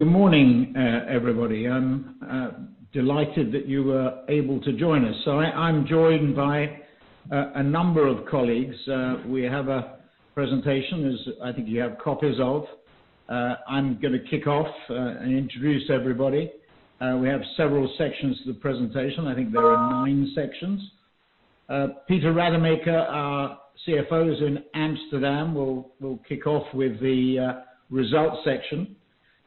Good morning, everybody. I'm delighted that you were able to join us. I'm joined by a number of colleagues. We have a presentation, I think you have copies of. I'm going to kick off and introduce everybody. We have several sections to the presentation. I think there are nine sections. Peter Rademaker, our CFO, who's in Amsterdam, will kick off with the results section.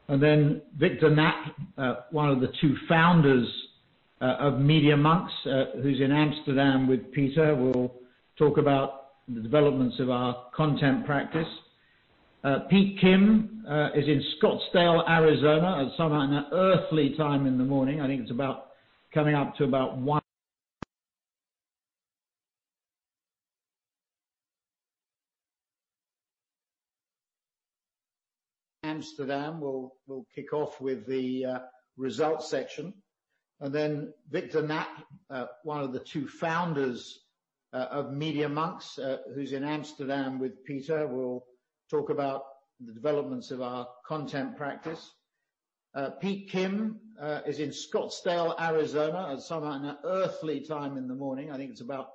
Victor Knaap, one of the two founders of Media.Monks, who's in Amsterdam with Peter, will talk about the developments of our content practice. Peter Kim is in Scottsdale, Arizona, at some unearthly time in the morning. I think it's about coming up to about 1:00 A.M. Amsterdam will kick off with the results section. Victor Knaap, one of the two founders of Media.Monks, who's in Amsterdam with Peter, will talk about the developments of our content practice. Peter Kim is in Scottsdale, Arizona, at some unearthly time in the morning. I think it's about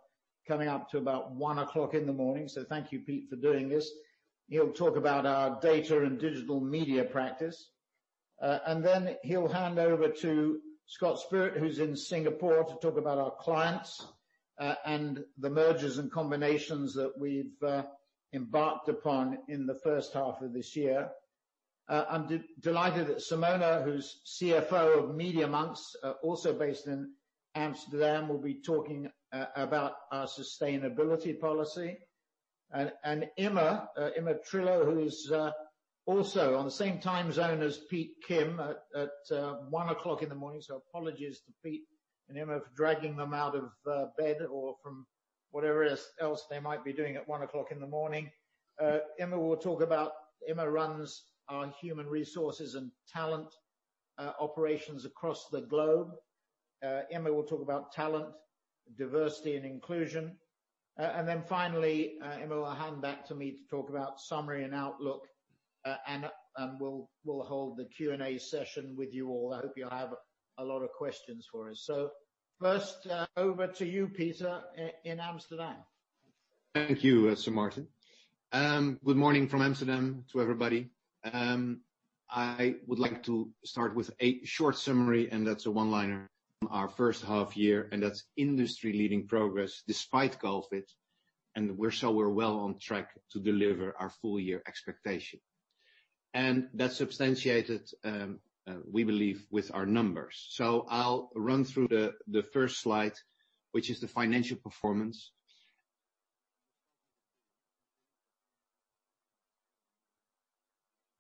coming up to about 1:00 A.M. in the morning. Thank you, Pete, for doing this. He'll talk about our data and digital media practice. Then he'll hand over to Scott Spirit, who's in Singapore, to talk about our clients and the mergers and combinations that we've embarked upon in the first half of this year. I'm delighted that Simona, who's CFO of Media.Monks, also based in Amsterdam, will be talking about our sustainability policy. Imma Trillo, who is also on the same time zone as Peter Kim at 1:00 A.M. in the morning. Apologies to Pete and Imma Trillo for dragging them out of bed or from whatever else they might be doing at 1:00 A.M. in the morning. Imma Trillo runs our human resources and talent operations across the globe. Imma Trillo will talk about talent, diversity, and inclusion. Finally, Imma Trillo will hand back to me to talk about summary and outlook, and we'll hold the Q&A session with you all. I hope you have a lot of questions for us. First, over to you, Peter Rademaker, in Amsterdam. Thank you, Sir Martin Sorrell. Good morning from Amsterdam to everybody. I would like to start with a short summary, that's a one-liner on our first half-year, that's industry-leading progress despite COVID-19, we're well on track to deliver our full-year expectation. That's substantiated, we believe, with our numbers. I'll run through the first slide, which is the financial performance.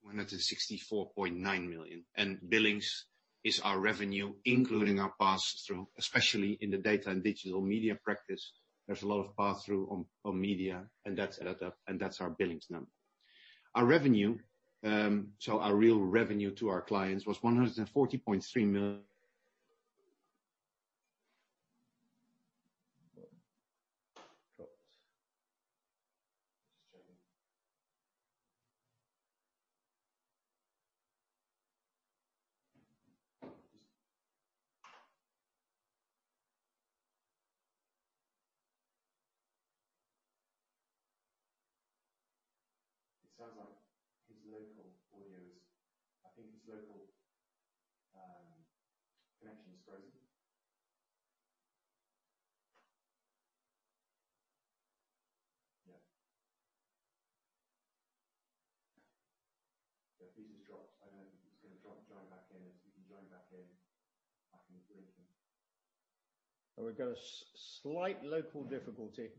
Went up to GBP 64.9 million, and billings is our revenue, including our pass-through, especially in the data and digital media practice. There's a lot of pass-through on media, and that's our billings number. Our revenue, so our real revenue to our clients was 140.3 million. It sounds like his local audio is I think his local connection is frozen. Yeah, Peter's dropped. I know he's going to join back in. If he can join back in, I can bring him. We've got a slight local difficulty.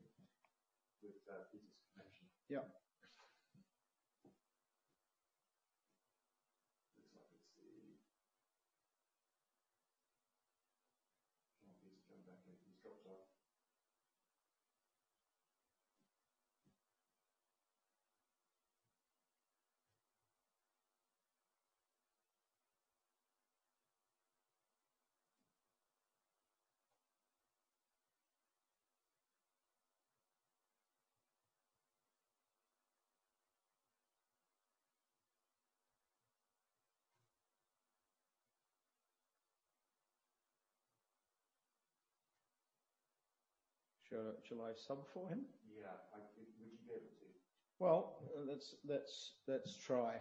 With Peter's connection. Can't get Peter back in. He's dropped off. Shall I sub for him? Yeah. Would you be able to? Well, let's try.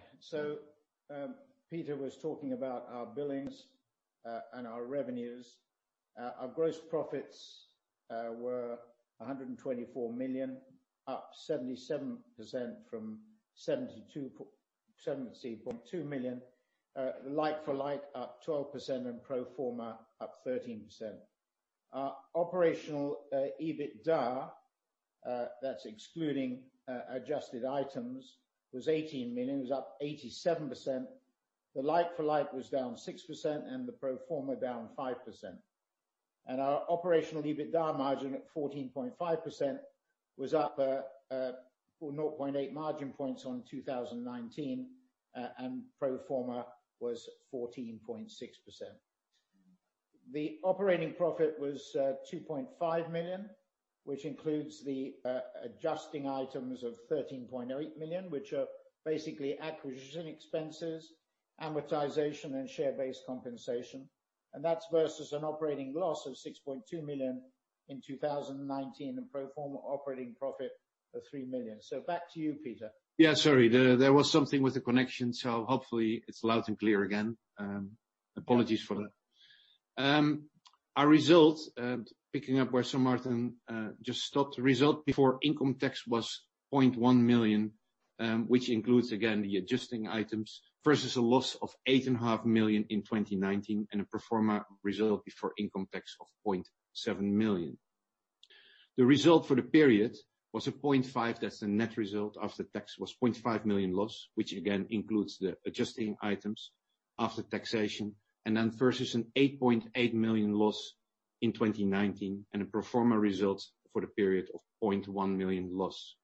Peter was talking about our billings and our revenues. Our gross profits were 124 million, up 77% from 72.2 million. Like-for-like up 12% and pro forma up 13%. Our operational EBITDA, that's excluding adjusted items, was 18 million. It was up 87%. The like-for-like was down 6% and the pro forma down 5%. Our operational EBITDA margin at 14.5% was up 0.8% margin points on 2019, and pro forma was 14.6%. The operating profit was 2.5 million, which includes the adjusting items of 13.8 million, which are basically acquisition expenses, amortization, and share-based compensation. That's versus an operating loss of 6.2 million in 2019 and pro forma operating profit of 3 million. Back to you, Peter. Yeah, sorry, there was something with the connection, so hopefully it's loud and clear again. Apologies for that. Our results, picking up where Sir Martin Sorrell just stopped, result before income tax was 0.1 million, which includes, again, the adjusting items versus a loss of 8.5 million in 2019 and a pro forma result before income tax of 0.7 million. The result for the period was a 0.5 million, that's the net result after tax, was 0.5 million loss, which again includes the adjusting items after taxation, versus a 8.8 million loss in 2019 and a pro forma result for the period of 0.1 million loss.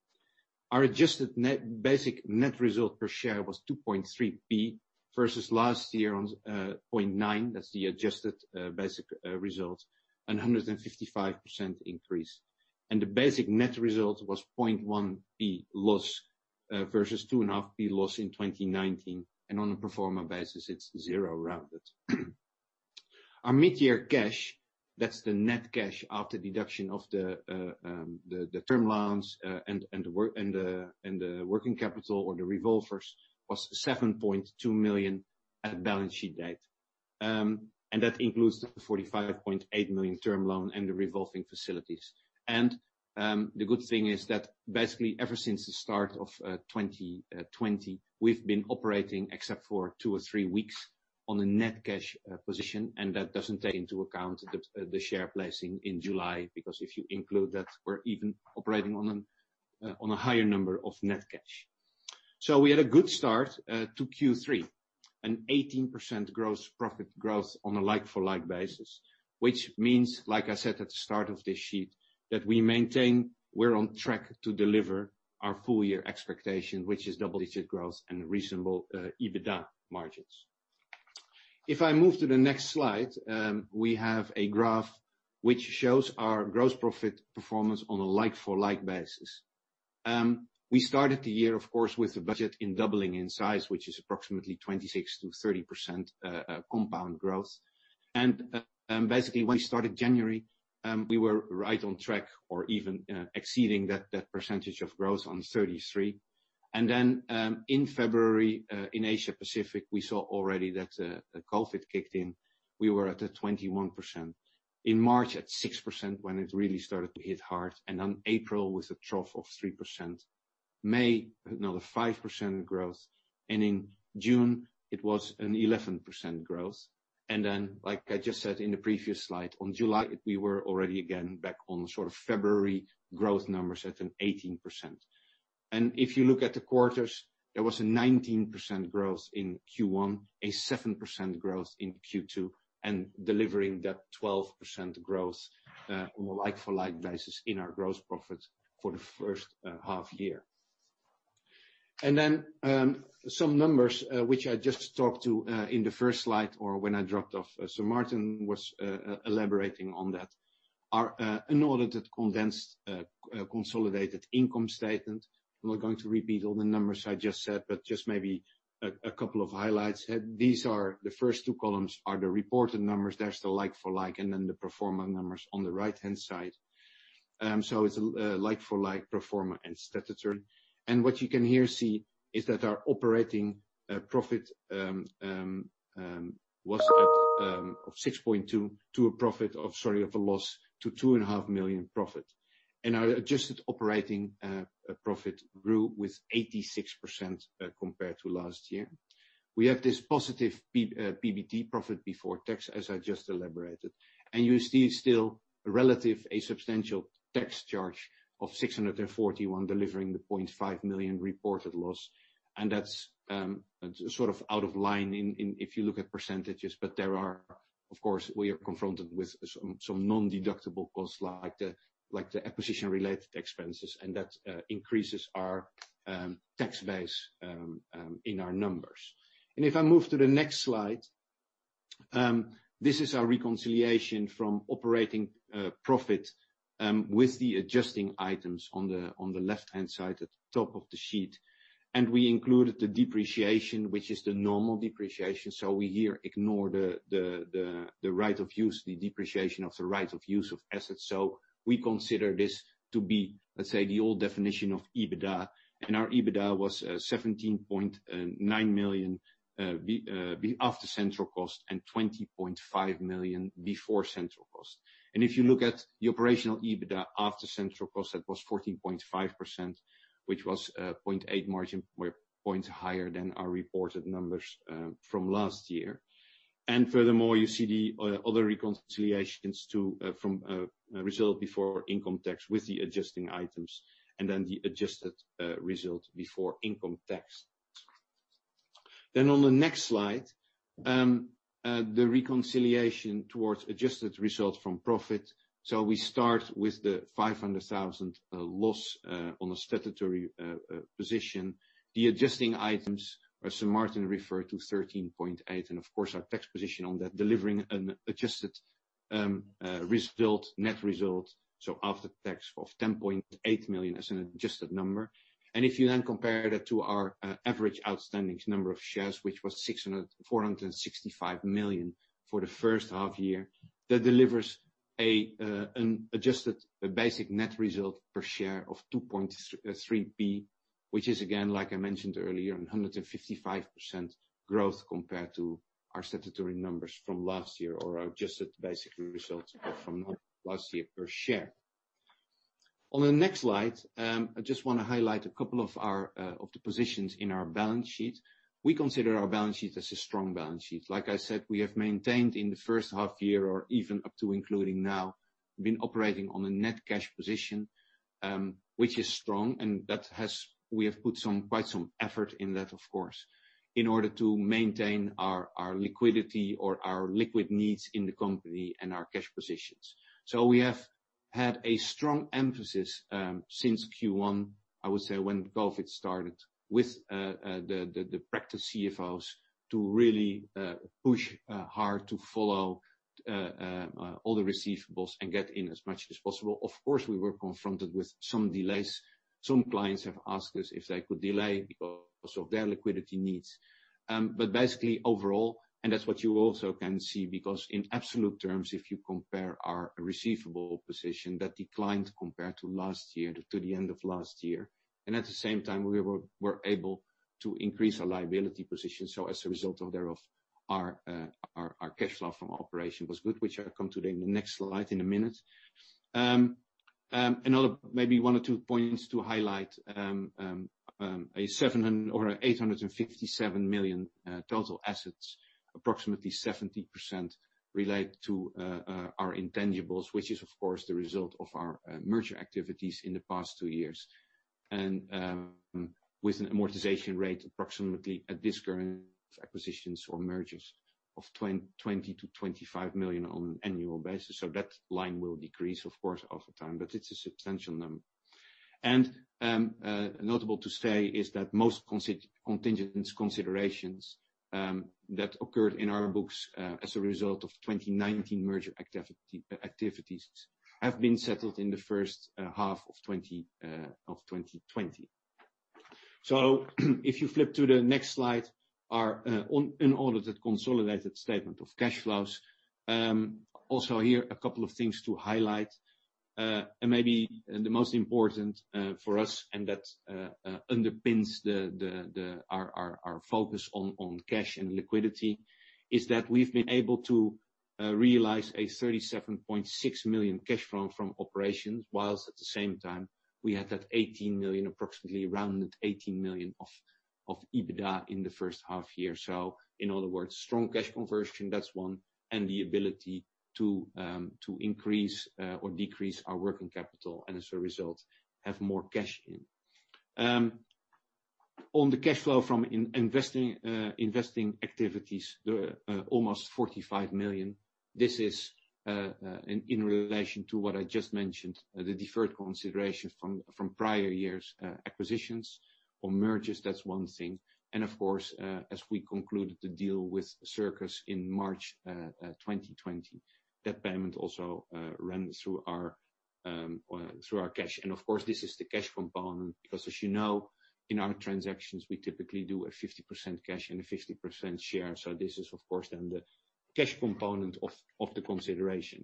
Our adjusted basic net result per share was 0.023 versus last year on 0.009, that's the adjusted basic result, a 155% increase. The basic net result was 0.001 loss, versus 0.025 loss in 2019. On a pro forma basis, it's zero rounded. Our mid-year cash, that's the net cash after deduction of the term loans and the working capital or the revolvers, was 7.2 million at balance sheet date. That includes the 45.8 million term loan and the revolving facilities. The good thing is that basically ever since the start of 2020, we've been operating except for two or three weeks on a net cash position, and that doesn't take into account the share placing in July, because if you include that, we're even operating on a higher number of net cash. We had a good start to Q3. An 18% gross profit growth on a like-for-like basis, which means, like I said at the start of this sheet, that we maintain we're on track to deliver our full year expectation, which is double-digit growth and reasonable EBITDA margins. If I move to the next slide, we have a graph which shows our gross profit performance on a like-for-like basis. We started the year, of course, with the budget in doubling in size, which is approximately 26%-30% compound growth. When we started January, we were right on track or even exceeding that percentage of growth on 33%. In February, in Asia Pacific, we saw already that COVID-19 kicked in. We were at a 21%. In March at 6% when it really started to hit hard, on April with a trough of 3%. May, another 5% growth, in June it was an 11% growth. Like I just said in the previous slide, on July, we were already again back on sort of February growth numbers at an 18%. If you look at the quarters, there was a 19% growth in Q1, a 7% growth in Q2, and delivering that 12% growth on a like-for-like basis in our gross profit for the first half year. Some numbers which I just talked to in the first slide or when I dropped off, Sir Martin was elaborating on that, are unaudited, condensed, consolidated income statement. I'm not going to repeat all the numbers I just said, just maybe a couple of highlights. The first two columns are the reported numbers. There's the like-for-like, then the pro forma numbers on the right-hand side. It's like-for-like pro forma and statutory. What you can here see is that our operating profit was at 6.2 million, sorry, of a loss to 2.5 million profit. Our adjusted operating profit grew with 86% compared to last year. We have this positive PBT profit before tax, as I just elaborated. You see still relative a substantial tax charge of 641 delivering the 0.5 million reported loss. That's sort of out of line if you look at percentages. There are, of course, we are confronted with some non-deductible costs like the acquisition-related expenses, and that increases our tax base in our numbers. If I move to the next slide, this is our reconciliation from operating profit with the adjusting items on the left-hand side at the top of the sheet. We included the depreciation, which is the normal depreciation. We here ignore the right of use, the depreciation of the right of use of assets. We consider this to be, let's say, the old definition of EBITDA. Our EBITDA was 17.9 million after central cost and 20.5 million before central cost. If you look at the operational EBITDA after central cost, that was 14.5%, which was 0.8% margin points higher than our reported numbers from last year. Furthermore, you see the other reconciliations from result before income tax with the adjusting items, and then the adjusted result before income tax. On the next slide, the reconciliation towards adjusted results from profit. We start with the 500,000 loss on the statutory position. The adjusting items, as Martin Sorrell referred to, 13.8 million, and of course, our tax position on that, delivering an adjusted net result, so after tax of 10.8 million as an adjusted number. If you then compare that to our average outstanding number of shares, which was 465 million for the first half year, that delivers an adjusted basic net result per share of 0.023, which is again, like I mentioned earlier, 155% growth compared to our statutory numbers from last year or our adjusted basic results from last year per share. On the next slide, I just want to highlight a couple of the positions in our balance sheet. We consider our balance sheet as a strong balance sheet. Like I said, we have maintained in the first half year or even up to including now, been operating on a net cash position, which is strong, and we have put quite some effort in that, of course, in order to maintain our liquidity or our liquid needs in the company and our cash positions. We have had a strong emphasis since Q1, I would say, when COVID-19 started with the practice CFOs to really push hard to follow all the receivables and get in as much as possible. Of course, we were confronted with some delays. Some clients have asked us if they could delay because of their liquidity needs. Basically, overall, and that's what you also can see, because in absolute terms, if you compare our receivable position, that declined compared to last year, to the end of last year. At the same time, we were able to increase our liability position. As a result thereof, our cash flow from operation was good, which I come to in the next slide in a minute. Another maybe one or two points to highlight, 857 million total assets, approximately 70% relate to our intangibles, which is, of course, the result of our merger activities in the past two years. With an amortization rate, approximately at this current acquisitions or mergers of 20 million-25 million on an annual basis. That line will decrease, of course, over time, but it's a substantial number. Notable to say is that most contingent considerations that occurred in our books as a result of 2019 merger activities have been settled in the first half of 2020. If you flip to the next slide, in order that consolidated statement of cash flows. Here, a couple of things to highlight, and maybe the most important for us, and that underpins our focus on cash and liquidity is that we've been able to realize a 37.6 million cash flow from operations, whilst at the same time we had that 18 million, approximately rounded 18 million of EBITDA in the first half year. In other words, strong cash conversion, that's one, and the ability to increase or decrease our working capital, and as a result, have more cash in. On the cash flow from investing activities, almost 45 million. This is in relation to what I just mentioned, the deferred consideration from prior years, acquisitions or mergers, that's one thing. Of course, as we concluded the deal with Circus in March 2020, that payment also ran through our cash. Of course, this is the cash component because as you know, in our transactions, we typically do a 50% cash and a 50% share. This is of course then the cash component of the consideration.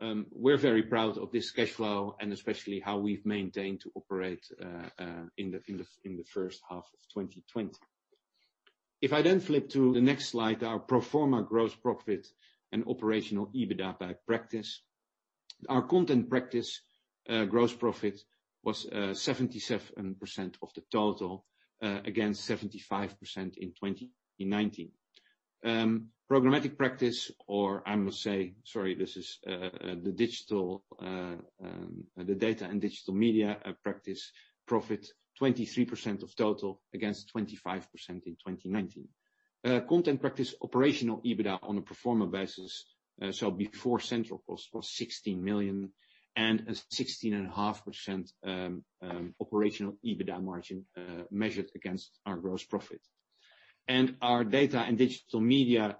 We're very proud of this cash flow and especially how we've maintained to operate in the first half of 2020. I then flip to the next slide, our pro forma gross profit and operational EBITDA by practice. Our Content practice gross profit was 77% of the total, against 75% in 2019. Programmatic practice, or I must say, sorry, this is the Data & Digital Media practice profit 23% of total against 25% in 2019. Content practice operational EBITDA on a pro forma basis, so before Central was 16 million and a 16.5% operational EBITDA margin measured against our gross profit. Our data and digital media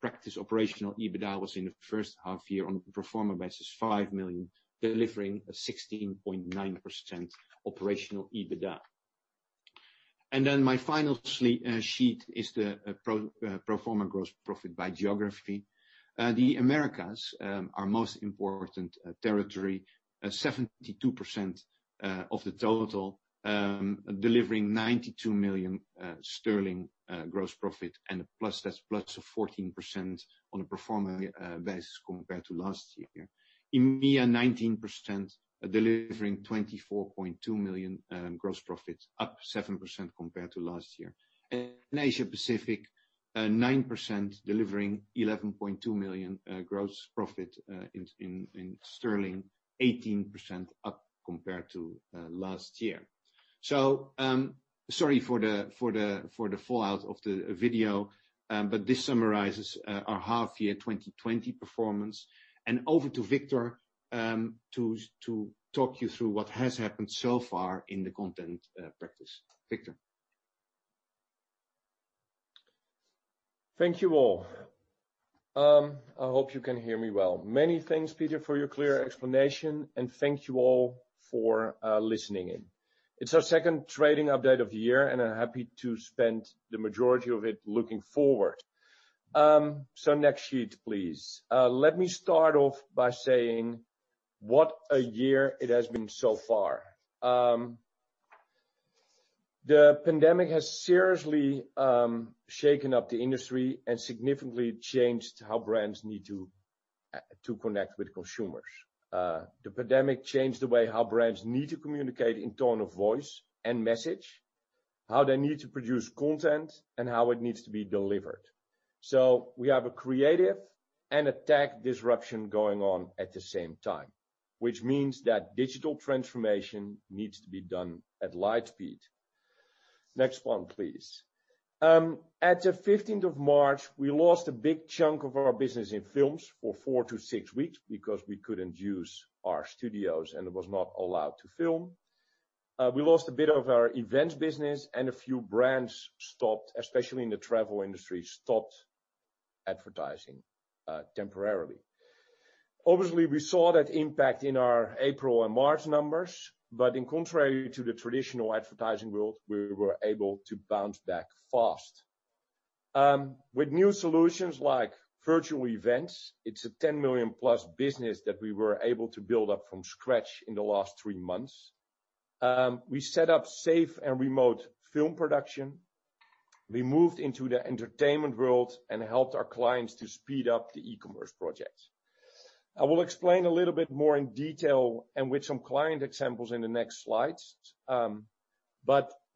practice operational EBITDA was in the first half year on a pro forma basis, 5 million, delivering a 16.9% operational EBITDA. My final sheet is the pro forma gross profit by geography. The Americas, our most important territory, 72% of the total, delivering 92 million sterling gross profit, and that's plus a 14% on a pro forma basis compared to last year. EMEA, 19%, delivering 24.2 million gross profit, up 7% compared to last year. Asia Pacific, 9%, delivering 11.2 million gross profit in sterling, 18% up compared to last year. Sorry for the fallout of the video, but this summarizes our half year 2020 performance. Over to Victor Knaap to talk you through what has happened so far in the content practice. Victor Knaap? Thank you all. I hope you can hear me well. Many thanks, Peter Rademaker, for your clear explanation. Thank you all for listening in. It's our second trading update of the year. I'm happy to spend the majority of it looking forward. Next sheet, please. Let me start off by saying what a year it has been so far. The pandemic has seriously shaken up the industry and significantly changed how brands need to connect with consumers. The pandemic changed the way how brands need to communicate in tone of voice and message, how they need to produce content, and how it needs to be delivered. We have a creative and a tech disruption going on at the same time, which means that digital transformation needs to be done at light speed. Next one, please. At the 15th of March, we lost a big chunk of our business in films for four to six weeks because we couldn't use our studios, and it was not allowed to film. We lost a bit of our events business and a few brands, especially in the travel industry, stopped advertising temporarily. Obviously, we saw that impact in our April and March numbers, in contrary to the traditional advertising world, we were able to bounce back fast. With new solutions like virtual events, it's a 10 million-plus business that we were able to build up from scratch in the last three months. We set up safe and remote film production. We moved into the entertainment world and helped our clients to speed up the e-commerce project. I will explain a little bit more in detail and with some client examples in the next slides.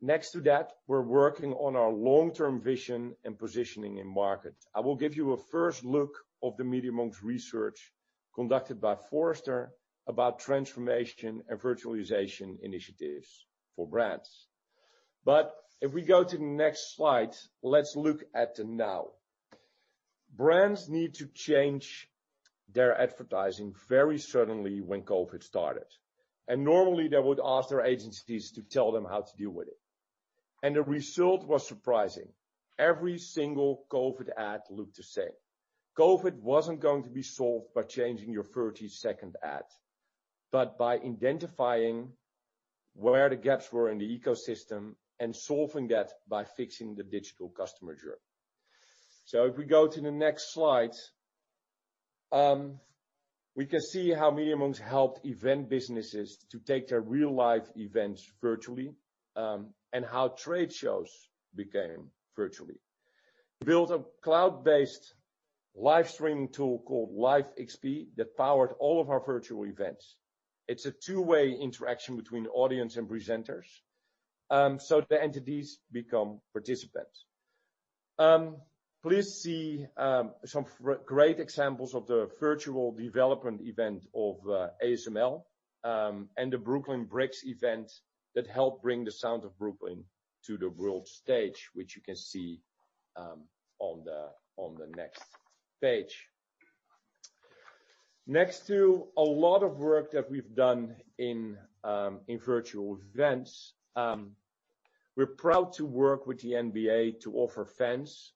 Next to that, we're working on our long-term vision and positioning in market. I will give you a first look of the Media.Monks research conducted by Forrester about transformation and virtualization initiatives for brands. If we go to the next slide, let's look at the now. Brands need to change their advertising very suddenly when COVID-19 started. Normally, they would ask their agencies to tell them how to deal with it. The result was surprising. Every single COVID-19 ad looked the same. COVID-19 wasn't going to be solved by changing your 30-second ad, but by identifying where the gaps were in the ecosystem and solving that by fixing the digital customer journey. If we go to the next slide, we can see how Media.Monks helped event businesses to take their real-life events virtually, and how trade shows became virtually. We built a cloud-based live streaming tool called LiveXP that powered all of our virtual events. It's a two-way interaction between audience and presenters. The entities become participants. Please see some great examples of the virtual development event of ASML, and the Brooklyn Breaks event that helped bring the sound of Brooklyn to the world stage, which you can see on the next page. Next to a lot of work that we've done in virtual events, we're proud to work with the NBA to offer fans,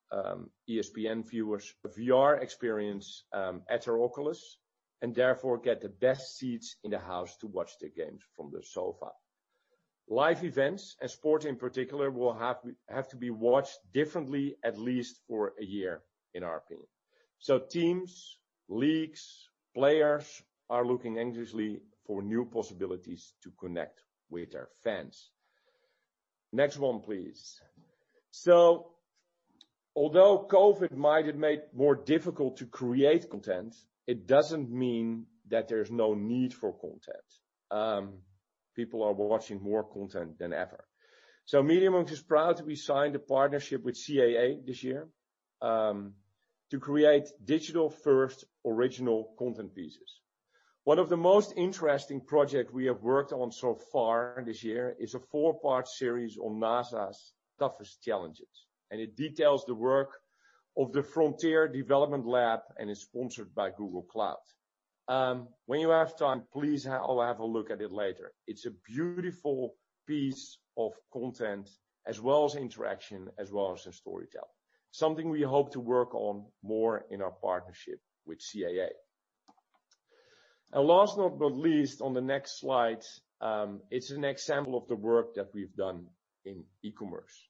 ESPN viewers, a VR experience at our Oculus, and therefore get the best seats in the house to watch the games from their sofa. Live events and sports in particular, will have to be watched differently, at least for one year, in our opinion. Teams, leagues, players are looking anxiously for new possibilities to connect with their fans. Next one, please. Although COVID-19 might have made more difficult to create content, it doesn't mean that there's no need for content. People are watching more content than ever. Media.Monks is proud to be signed a partnership with CAA this year, to create digital-first original content pieces. One of the most interesting project we have worked on so far this year is a four-part series on NASA's toughest challenges, and it details the work of the Frontier Development Lab and is sponsored by Google Cloud. When you have time, please have a look at it later. It's a beautiful piece of content as well as interaction, as well as storytelling. Something we hope to work on more in our partnership with CAA. Last but not least, on the next slide, it's an example of the work that we've done in e-commerce.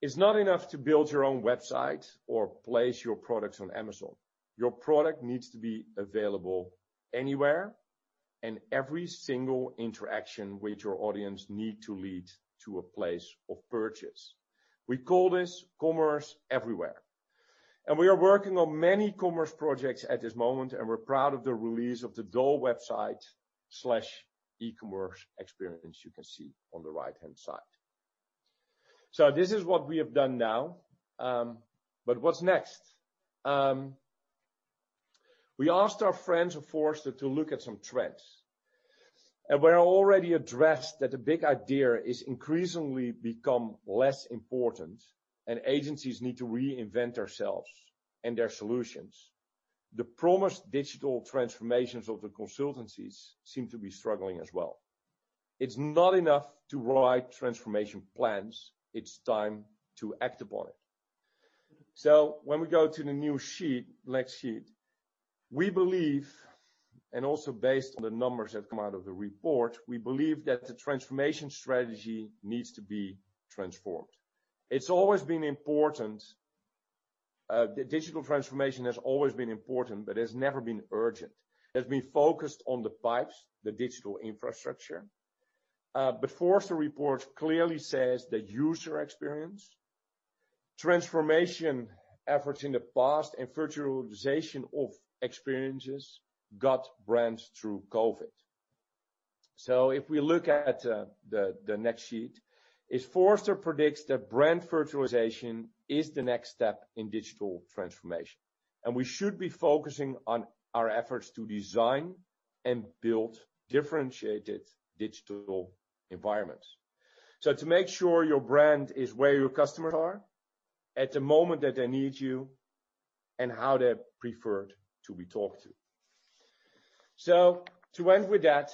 It's not enough to build your own website or place your products on Amazon. Your product needs to be available anywhere, and every single interaction with your audience need to lead to a place of purchase. We call this commerce everywhere. We are working on many commerce projects at this moment, and we're proud of the release of the Dole website/e-commerce experience you can see on the right-hand side. This is what we have done now, but what's next? We asked our friends at Forrester to look at some trends. Where I already addressed that the big idea is increasingly become less important and agencies need to reinvent ourselves and our solutions, the promised digital transformations of the consultancies seem to be struggling as well. It's not enough to write transformation plans. It's time to act upon it. When we go to the next sheet, we believe, and also based on the numbers that come out of the report, that the transformation strategy needs to be transformed. Digital transformation has always been important, but it's never been urgent. It's been focused on the pipes, the digital infrastructure. Forrester Research report clearly says that user experience, transformation efforts in the past, and virtualization of experiences got brands through COVID-19. If we look at the next sheet, Forrester Research predicts that brand virtualization is the next step in digital transformation, and we should be focusing on our efforts to design and build differentiated digital environments. To make sure your brand is where your customers are at the moment that they need you and how they preferred to be talked to. To end with that,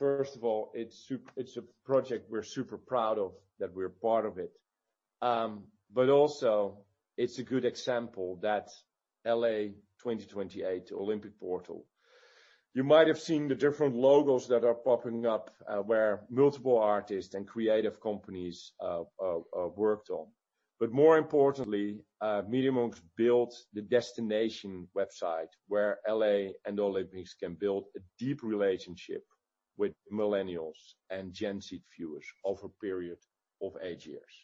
first of all, it's a project we're super proud of that we're part of it. Also, it's a good example, that L.A. 2028 Olympic portal. You might have seen the different logos that are popping up, where multiple artists and creative companies have worked on. More importantly, Media.Monks built the destination website where L.A. and the Olympics can build a deep relationship with Millennials and Gen Z viewers over a period of eight years.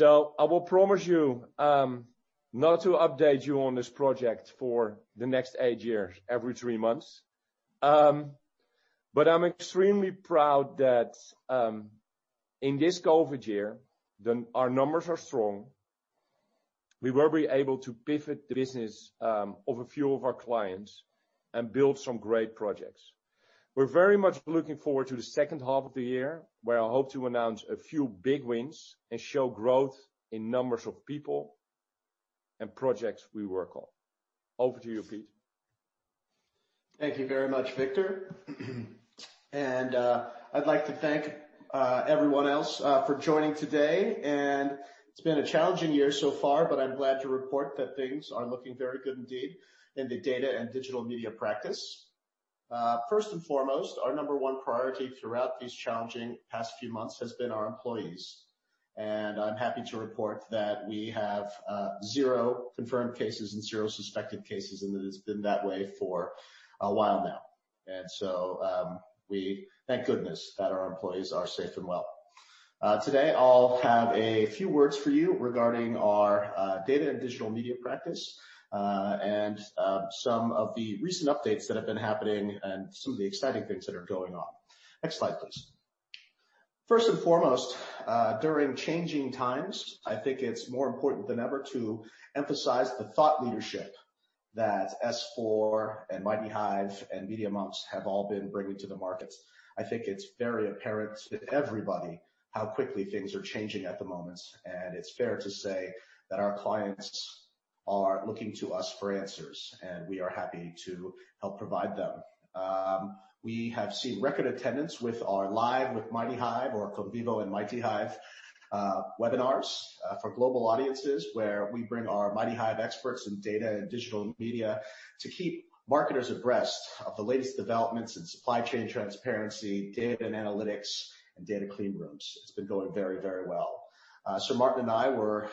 I will promise you, not to update you on this project for the next eight years every three months. I'm extremely proud that, in this COVID-19 year, our numbers are strong. We were able to pivot the business of a few of our clients and build some great projects. We're very much looking forward to the second half of the year, where I hope to announce a few big wins and show growth in numbers of people and projects we work on. Over to you, Peter Kim. Thank you very much, Victor Knaap. I'd like to thank everyone else for joining today, and it's been a challenging year so far, but I'm glad to report that things are looking very good indeed in the data and digital media practice. First and foremost, our number one priority throughout these challenging past few months has been our employees, and I'm happy to report that we have zero confirmed cases and zero suspected cases, and it has been that way for a while now. Thank goodness that our employees are safe and well. Today, I'll have a few words for you regarding our data and digital media practice, and some of the recent updates that have been happening and some of the exciting things that are going on. Next slide, please. First and foremost, during changing times, I think it's more important than ever to emphasize the thought leadership that S4 Capital and MightyHive and Media.Monks have all been bringing to the markets. I think it's very apparent to everybody how quickly things are changing at the moment, and it's fair to say that our clients are looking to us for answers, and we are happy to help provide them. We have seen record attendance with our Live with MightyHive or En Vivo con MightyHive webinars for global audiences, where we bring our MightyHive experts in data and digital media to keep marketers abreast of the latest developments in supply chain transparency, data and analytics, and data clean rooms. It's been going very, very well. Martin Sorrell and I were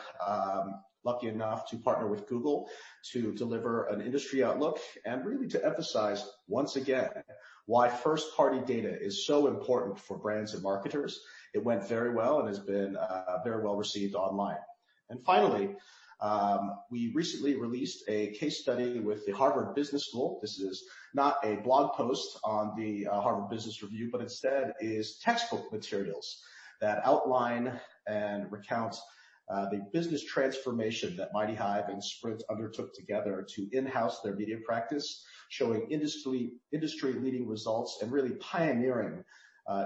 lucky enough to partner with Google to deliver an industry outlook and really to emphasize once again why first-party data is so important for brands and marketers. It went very well and has been very well-received online. Finally, we recently released a case study with the Harvard Business School. This is not a blog post on the Harvard Business Review, but instead is textbook materials that outline and recount the business transformation that MightyHive and Sprint undertook together to in-house their media practice, showing industry-leading results and really pioneering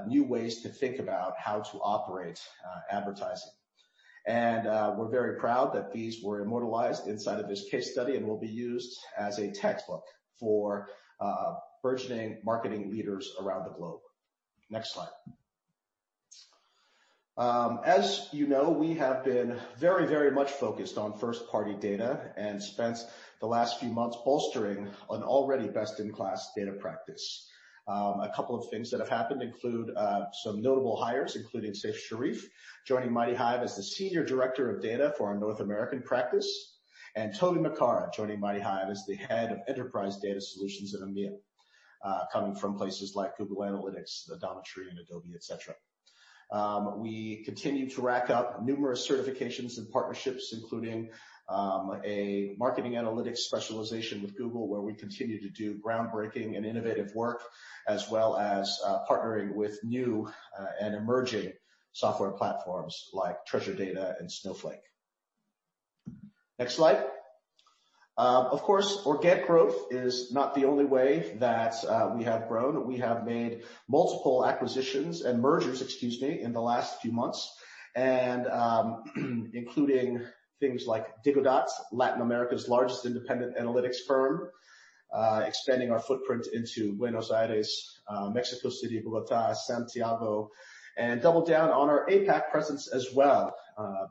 new ways to think about how to operate advertising. We're very proud that these were immortalized inside of this case study and will be used as a textbook for burgeoning marketing leaders around the globe. Next slide. As you know, we have been very, very much focused on first-party data and spent the last few months bolstering an already best-in-class data practice. A couple of things that have happened include some notable hires, including Sayf Sharif, joining MightyHive as the senior director of data for our North American practice, and Tony Macari joining MightyHive as the head of enterprise data solutions in EMEA, coming from places like Google Analytics, Omniture, and Adobe, et cetera. We continue to rack up numerous certifications and partnerships, including a marketing analytics specialization with Google, where we continue to do groundbreaking and innovative work, as well as partnering with new and emerging software platforms like Treasure Data and Snowflake. Next slide. Of course, organic growth is not the only way that we have grown. We have made multiple acquisitions and mergers, excuse me, in the last few months, including things like Digodat, Latin America's largest independent analytics firm, expanding our footprint into Buenos Aires, Mexico City, Bogotá, Santiago, and doubled down on our APAC presence as well,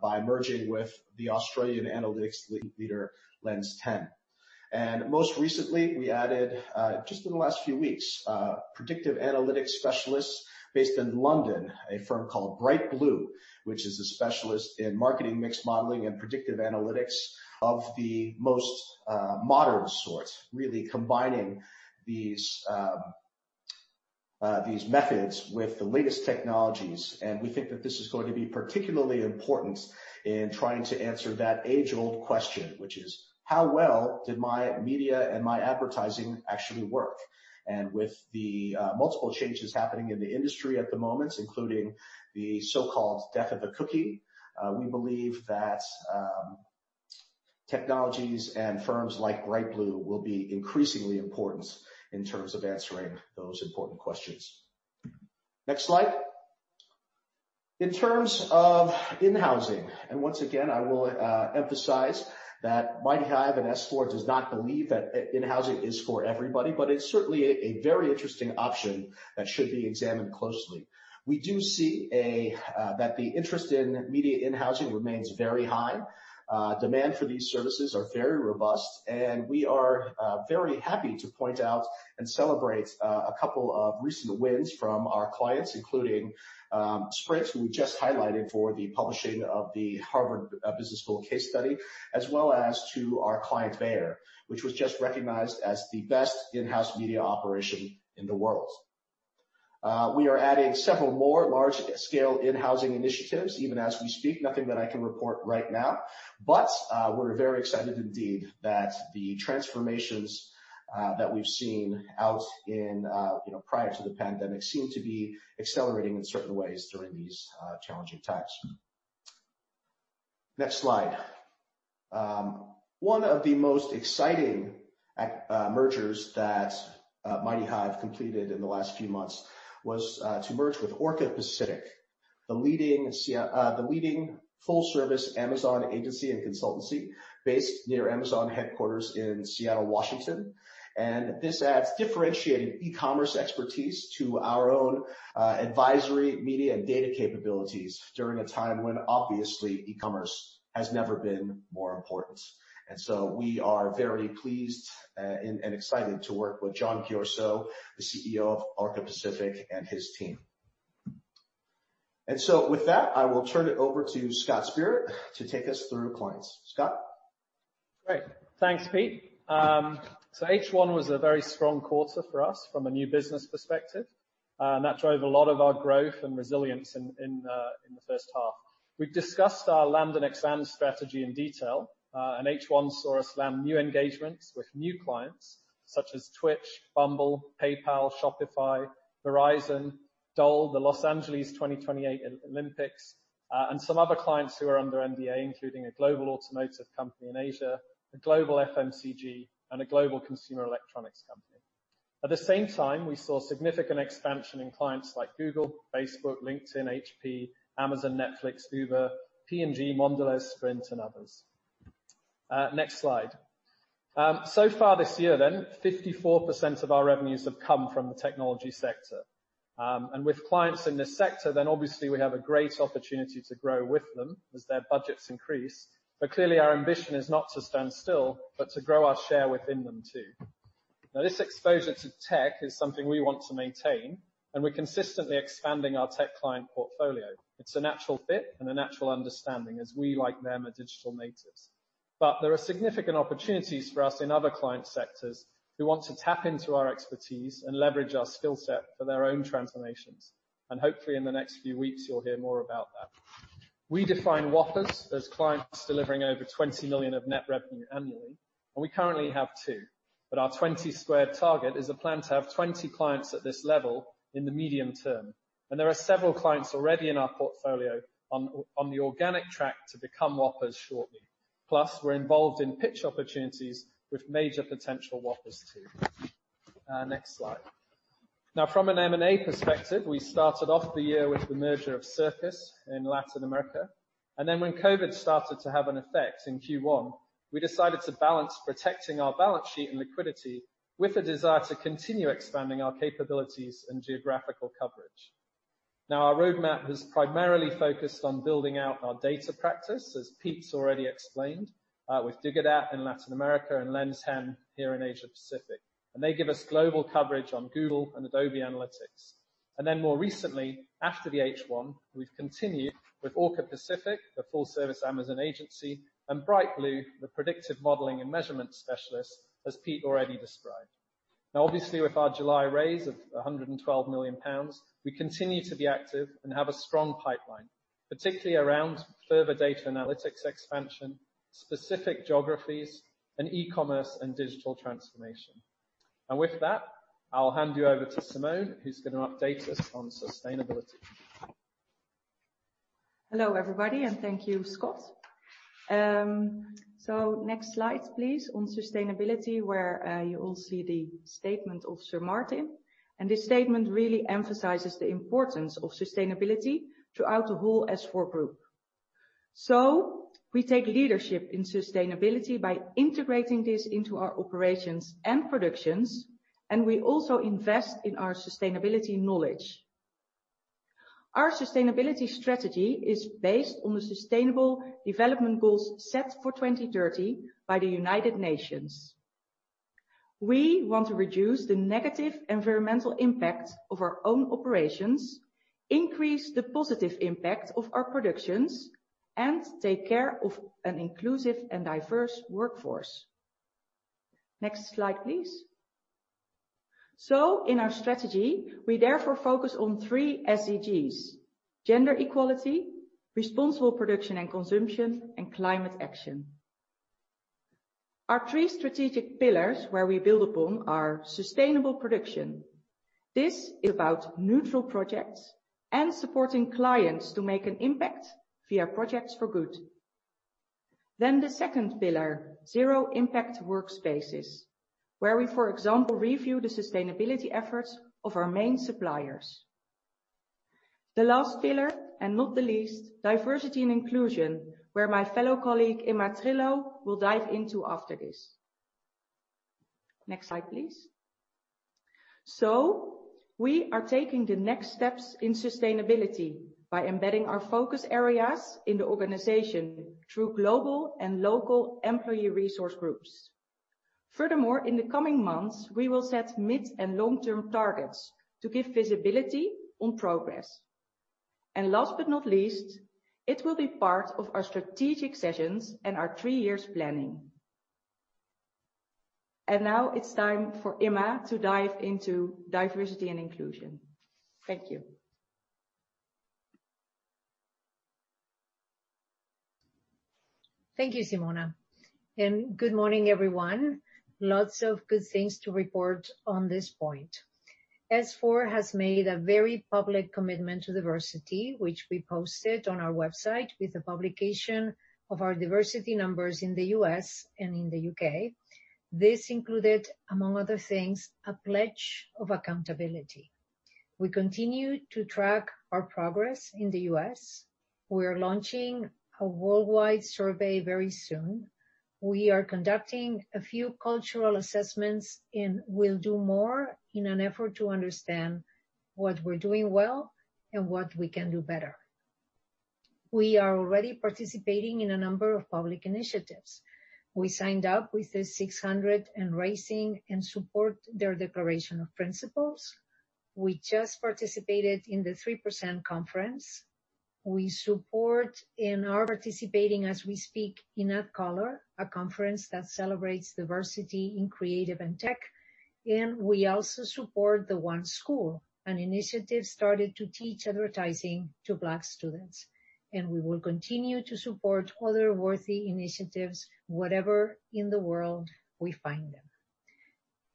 by merging with the Australian analytics leading leader, Lens10. Most recently, we added, just in the last few weeks, predictive analytics specialists based in London, a firm called BrightBlue, which is a specialist in marketing mix modeling and predictive analytics of the most modern sort, really combining these methods with the latest technologies. We think that this is going to be particularly important in trying to answer that age-old question, which is, how well did my media and my advertising actually work? With the multiple changes happening in the industry at the moment, including the so-called death of a cookie, we believe that technologies and firms like BrightBlue will be increasingly important in terms of answering those important questions. Next slide. In terms of in-housing, and once again, I will emphasize that MightyHive and S4 Capital does not believe that in-housing is for everybody, but it's certainly a very interesting option that should be examined closely. We do see that the interest in media in-housing remains very high. Demand for these services are very robust, and we are very happy to point out and celebrate a couple of recent wins from our clients, including Sprint, who we just highlighted for the publishing of the Harvard Business School case study, as well as to our client, Bayer, which was just recognized as the best in-house media operation in the world. We are adding several more large-scale in-housing initiatives even as we speak. Nothing that I can report right now, we're very excited indeed that the transformations that we've seen out prior to the pandemic seem to be accelerating in certain ways during these challenging times. Next slide. One of the most exciting mergers that MightyHive completed in the last few months was to merge with Orca Pacific, the leading full-service Amazon agency and consultancy based near Amazon headquarters in Seattle, Washington. This adds differentiating e-commerce expertise to our own advisory, media, and data capabilities during a time when obviously e-commerce has never been more important. We are very pleased and excited to work with John Ghiorso, the CEO of Orca Pacific, and his team. With that, I will turn it over to Scott Spirit to take us through clients. Scott? Great. Thanks, Peter Kim. H1 was a very strong quarter for us from a new business perspective, and that drove a lot of our growth and resilience in the first half. We've discussed our land and expand strategy in detail, and H1 saw us land new engagements with new clients such as Twitch, Bumble, PayPal, Shopify, Verizon, Dole, the Los Angeles 2028 Olympics, and some other clients who are under NDA, including a global automotive company in Asia, a global FMCG, and a global consumer electronics company. At the same time, we saw significant expansion in clients like Google, Facebook, LinkedIn, HP, Amazon, Netflix, Uber, P&G, Mondelez, Sprint, and others. Next slide. Far this year then, 54% of our revenues have come from the technology sector. With clients in this sector, then obviously we have a great opportunity to grow with them as their budgets increase. Clearly our ambition is not to stand still, but to grow our share within them, too. Now, this exposure to tech is something we want to maintain, and we're consistently expanding our tech client portfolio. It's a natural fit and a natural understanding as we, like them, are digital natives. There are significant opportunities for us in other client sectors who want to tap into our expertise and leverage our skill set for their own transformations. Hopefully in the next few weeks, you'll hear more about that. We define Whoppers as clients delivering over 20 million of net revenue annually, and we currently have two. Our 20 Squared target is a plan to have 20 clients at this level in the medium term, and there are several clients already in our portfolio on the organic track to become Whoppers shortly. Plus, we're involved in pitch opportunities with major potential Whoppers, too. Next slide. From an M&A perspective, we started off the year with the merger of Circus in Latin America. When COVID-19 started to have an effect in Q1, we decided to balance protecting our balance sheet and liquidity with a desire to continue expanding our capabilities and geographical coverage. Our roadmap has primarily focused on building out our data practice, as Peter Kim has already explained, with Digodat in Latin America and Lens10 here in Asia Pacific. They give us global coverage on Google and Adobe Analytics. More recently, after the H1, we've continued with Orca Pacific, the full-service Amazon agency, and BrightBlue Consulting, the predictive modeling and measurement specialist, as Peter Kim already described. Obviously, with our July raise of 112 million pounds, we continue to be active and have a strong pipeline, particularly around further data analytics expansion, specific geographies, and e-commerce and digital transformation. With that, I'll hand you over to Simona Frew, who's going to update us on sustainability. Hello, everybody, and thank you, Scott Spirit. Next slide, please, on sustainability, where you all see the statement of Sir Martin Sorrell. This statement really emphasizes the importance of sustainability throughout the whole S4 Capital. We take leadership in sustainability by integrating this into our operations and productions, and we also invest in our sustainability knowledge. Our sustainability strategy is based on the Sustainable Development Goals set for 2030 by the United Nations. We want to reduce the negative environmental impact of our own operations, increase the positive impact of our productions, and take care of an inclusive and diverse workforce. Next slide, please. In our strategy, we therefore focus on three SDGs, gender equality, responsible production and consumption, and climate action. Our three strategic pillars where we build upon are sustainable production. This is about neutral projects and supporting clients to make an impact via projects for good. The second pillar, zero impact workspaces, where we, for example, review the sustainability efforts of our main suppliers. The last pillar, and not the least, diversity and inclusion, where my fellow colleague, Imma Trillo, will dive into after this. Next slide, please. We are taking the next steps in sustainability by embedding our focus areas in the organization through global and local employee resource groups. Furthermore, in the coming months, we will set mid- and long-term targets to give visibility on progress. Last but not least, it will be part of our strategic sessions and our three years planning. Now it's time for Imma Trillo to dive into diversity and inclusion. Thank you. Thank you, Simona Frew. Good morning, everyone. Lots of good things to report on this point. S4 Capital has made a very public commitment to diversity, which we posted on our website with the publication of our diversity numbers in the U.S. and in the U.K. This included, among other things, a pledge of accountability. We continue to track our progress in the U.S. We are launching a worldwide survey very soon. We are conducting a few cultural assessments and will do more in an effort to understand what we're doing well and what we can do better. We are already participating in a number of public initiatives. We signed up with the 600 & Rising and support their declaration of principles. We just participated in the 3% Conference. We support and are participating as we speak in ADCOLOR, a conference that celebrates diversity in creative and tech. We also support the One School, an initiative started to teach advertising to Black students. We will continue to support other worthy initiatives wherever in the world we find them.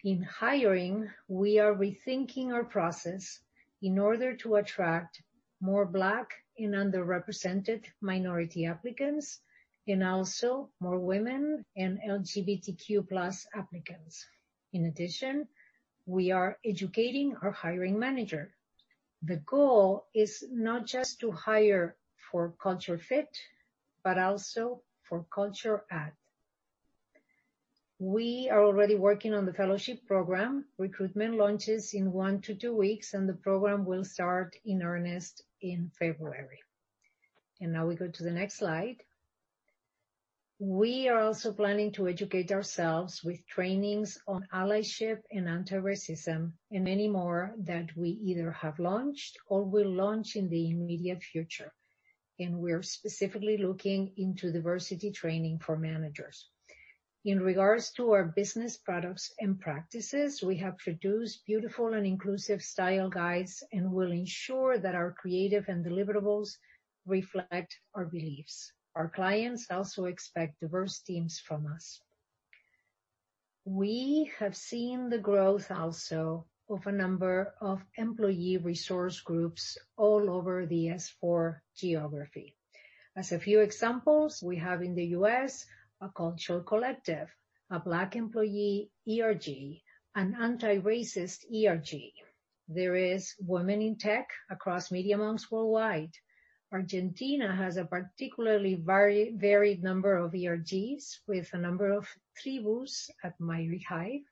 In hiring, we are rethinking our process in order to attract more Black and underrepresented minority applicants, and also more women and LGBTQ+ applicants. In addition, we are educating our hiring manager. The goal is not just to hire for culture fit, but also for culture add. We are already working on the fellowship program. Recruitment launches in one to two weeks, and the program will start in earnest in February. Now we go to the next slide. We are also planning to educate ourselves with trainings on allyship and anti-racism and many more that we either have launched or will launch in the immediate future. We are specifically looking into diversity training for managers. In regards to our business products and practices, we have produced beautiful and inclusive style guides and will ensure that our creative and deliverables reflect our beliefs. Our clients also expect diverse teams from us. We have seen the growth also of a number of employee resource groups all over the S4 Capital geography. As a few examples, we have in the U.S., a cultural collective, a Black employee ERG, an anti-racist ERG. There is Women in Tech across Media.Monks worldwide. Argentina has a particularly varied number of ERGs, with a number of tribus at MightyHive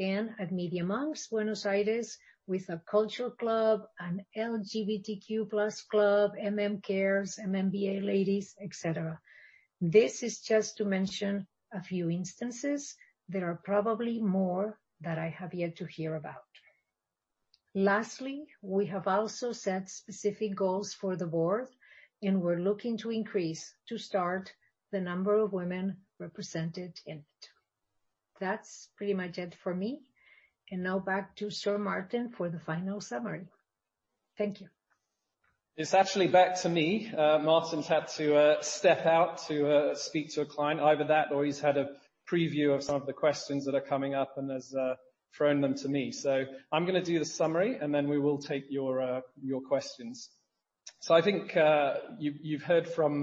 and at Media.Monks Buenos Aires with a cultural club, an LGBTQ+ club, MM Cares, MMBA Ladies, et cetera. This is just to mention a few instances. There are probably more that I have yet to hear about. Lastly, we have also set specific goals for the board, and we're looking to increase, to start, the number of women represented in it. That's pretty much it for me. Now back to Sir Martin Sorrell for the final summary. Thank you. It's actually back to me. Martin Sorrell had to step out to speak to a client. Either that or he's had a preview of some of the questions that are coming up and has thrown them to me. I'm going to do the summary, and then we will take your questions. I think you've heard from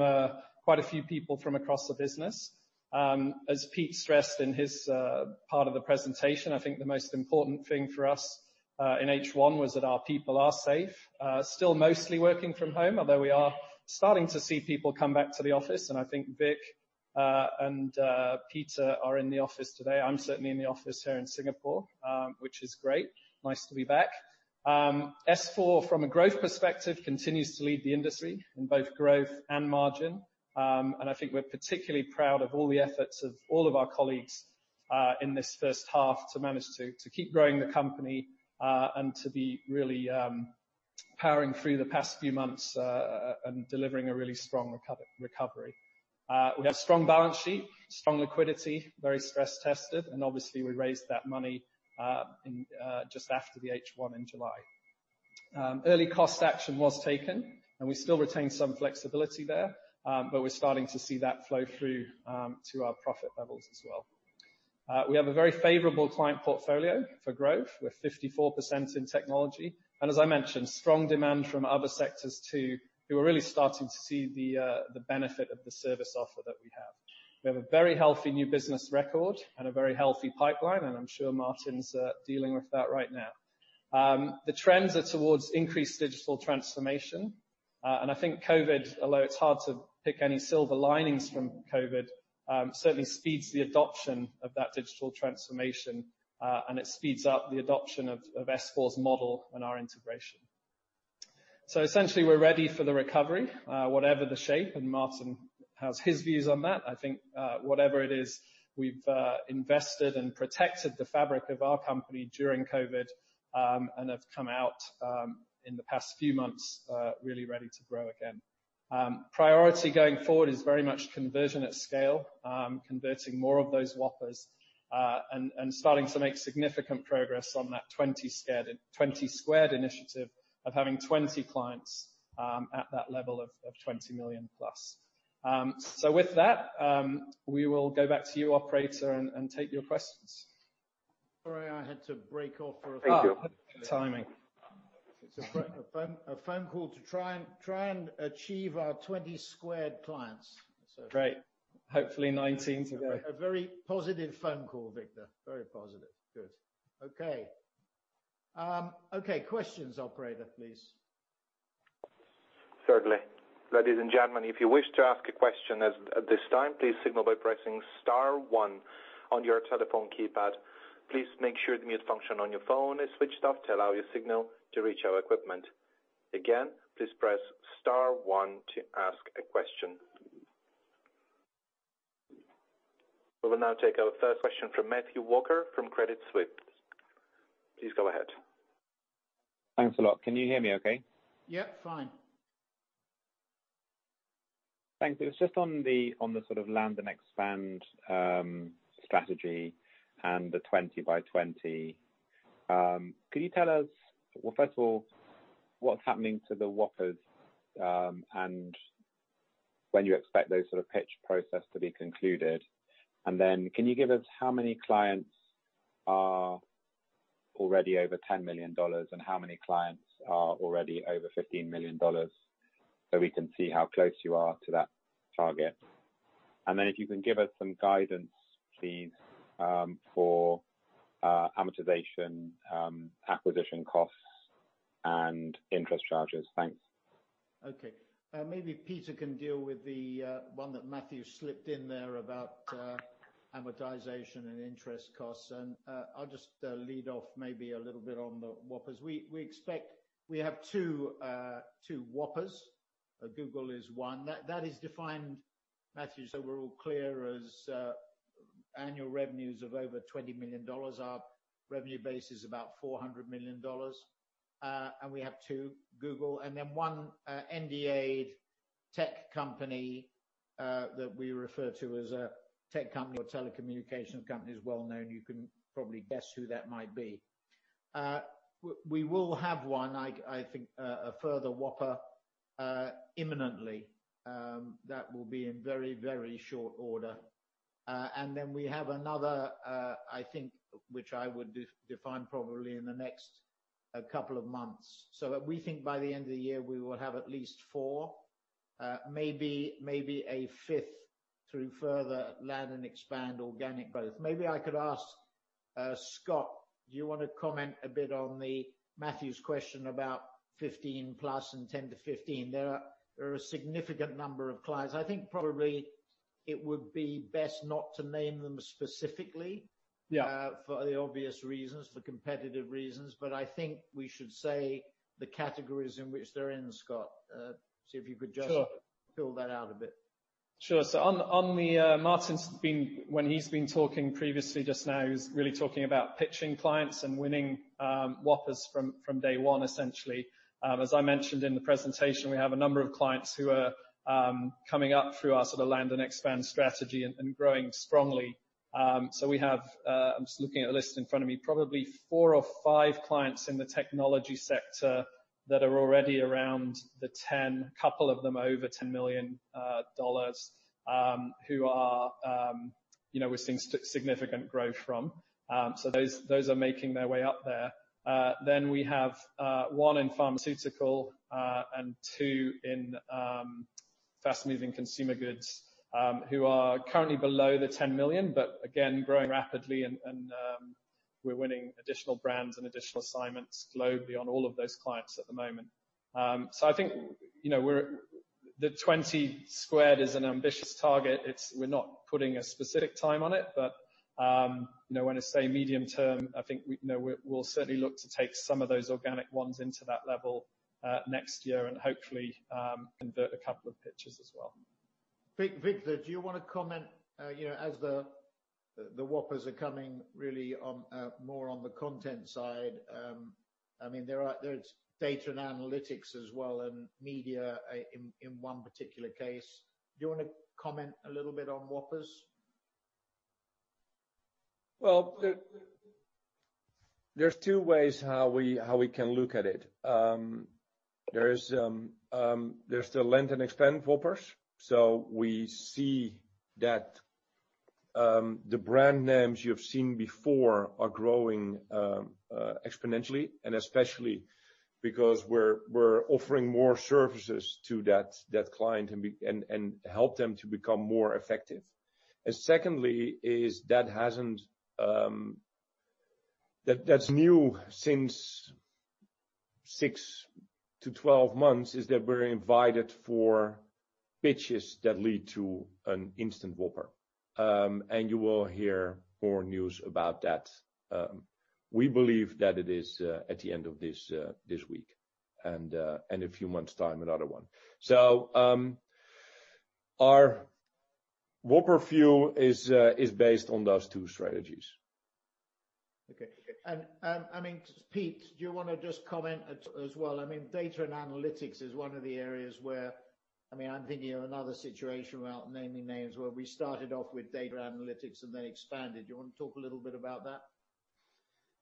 quite a few people from across the business. As Peter Kim stressed in his part of the presentation, I think the most important thing for us in H1 was that our people are safe. Still mostly working from home, although we are starting to see people come back to the office, and I think Victor Knaap and Peter Kim are in the office today. I'm certainly in the office here in Singapore, which is great. Nice to be back. S4 Capital, from a growth perspective, continues to lead the industry in both growth and margin. I think we're particularly proud of all the efforts of all of our colleagues in this first half to manage to keep growing the company, and to be really powering through the past few months, and delivering a really strong recovery. We have strong balance sheet, strong liquidity, very stress tested, obviously we raised that money just after the H1 in July. Early cost action was taken, we still retain some flexibility there. We're starting to see that flow through to our profit levels as well. We have a very favorable client portfolio for growth with 54% in technology. As I mentioned, strong demand from other sectors too, who are really starting to see the benefit of the service offer that we have. We have a very healthy new business record and a very healthy pipeline, I'm sure Martin Sorrell is dealing with that right now. The trends are towards increased digital transformation. I think COVID-19, although it's hard to pick any silver linings from COVID-19, certainly speeds the adoption of that digital transformation, and it speeds up the adoption of S4 Capital model and our integration. Essentially, we're ready for the recovery, whatever the shape, Martin Sorrell has his views on that. I think whatever it is, we've invested and protected the fabric of our company during COVID-19, have come out in the past few months, really ready to grow again. Priority going forward is very much conversion at scale, converting more of those Whoppers, starting to make significant progress on that 20 Squared initiative of having 20 clients at that level of $20 million+. With that, we will go back to you, operator, and take your questions. Sorry, I had to break off. Thank you. Timing. It's a phone call to try and achieve our 20 Squared clients. Great. Hopefully 19 today. A very positive phone call, Victor Knaap. Very positive. Good. Okay. Questions, operator, please. Certainly. Ladies and gentlemen, if you wish to ask a question at this time, please signal by pressing star one on your telephone keypad. Please make sure the mute function on your phone is switched off to allow your signal to reach our equipment. Again, please press star one to ask a question. We will now take our first question from Matthew Walker from Credit Suisse. Please go ahead. Thanks a lot. Can you hear me okay? Yeah. Fine. Thanks. It was just on the sort of land and expand strategy and the 20 by 20. Could you tell us, first of all, what's happening to the Whoppers, and when you expect those sort of pitch process to be concluded? Can you give us how many clients are already over GBP 10 million and how many clients are already over GBP 15 million, so we can see how close you are to that target? If you can give us some guidance, please, for amortization, acquisition costs, and interest charges. Thanks. Okay. Maybe Peter Rademaker can deal with the one that Matthew Walker slipped in there about amortization and interest costs. I'll just lead off maybe a little bit on the Whoppers. We have two Whoppers. Google is one. That is defined, Matthew Walker, so we're all clear, as annual revenues of over $20 million. Our revenue base is about $400 million. We have two, Google and then one NDA'd tech company, that we refer to as a tech company or telecommunication company. It's well-known. You can probably guess who that might be. We will have one, I think, a further Whopper imminently. That will be in very short order. Then we have another, I think, which I would define probably in the next couple of months. That we think by the end of the year, we will have at least four, maybe a fifth through further land and expand organic both. Maybe I could ask Scott Spirit, do you want to comment a bit on Matthew's question about 15+ and 10-15? There are a significant number of clients. I think probably it would be best not to name them specifically. Yeah for the obvious reasons, for competitive reasons. I think we should say the categories in which they're in, Scott Spirit. See if you could just. Sure Fill that out a bit. Sure. Martin Sorrell, when he's been talking previously just now, he was really talking about pitching clients and winning Whoppers from day one, essentially. As I mentioned in the presentation, we have a number of clients who are coming up through our sort of land and expand strategy and growing strongly. We have, I'm just looking at a list in front of me, probably four or five clients in the technology sector that are already around the 10, couple of them over GBP 10 million, who we're seeing significant growth from. Those are making their way up there. We have one in pharmaceutical, and two in fast-moving consumer goods, who are currently below the 10 million, but again, growing rapidly and we're winning additional brands and additional assignments globally on all of those clients at the moment. I think, the 20 Squared is an ambitious target. We're not putting a specific time on it. When I say medium term, I think we'll certainly look to take some of those organic ones into that level, next year and hopefully, convert a couple of pitches as well. Victor Knaap, do you want to comment, as the Whoppers are coming really more on the content side, there's data and analytics as well and media in one particular case. Do you want to comment a little bit on Whoppers? Well, there's two ways how we can look at it. There's the land and expand Whoppers. We see that the brand names you've seen before are growing exponentially, and especially because we're offering more services to that client and help them to become more effective. Secondly is, that's new since 6-12 months, is that we're invited for pitches that lead to an instant Whopper. You will hear more news about that. We believe that it is at the end of this week. In a few months' time, another one. Our Whopper view is based on those two strategies. Okay. Peter Kim, do you want to just comment as well? Data and analytics is one of the areas where, I'm thinking of another situation without naming names, where we started off with data analytics, and they expanded. Do you want to talk a little bit about that?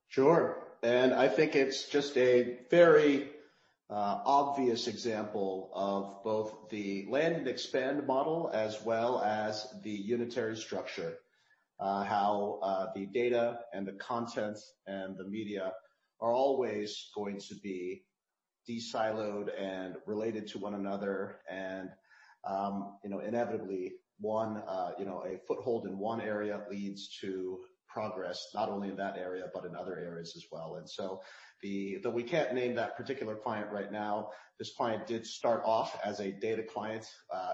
Sure. I think it's just a very obvious example of both the land and expand model as well as the unitary structure. How the data and the content and the media are always going to be de-siloed and related to one another, inevitably a foothold in one area leads to progress not only in that area but in other areas as well. We can't name that particular client right now. This client did start off as a data client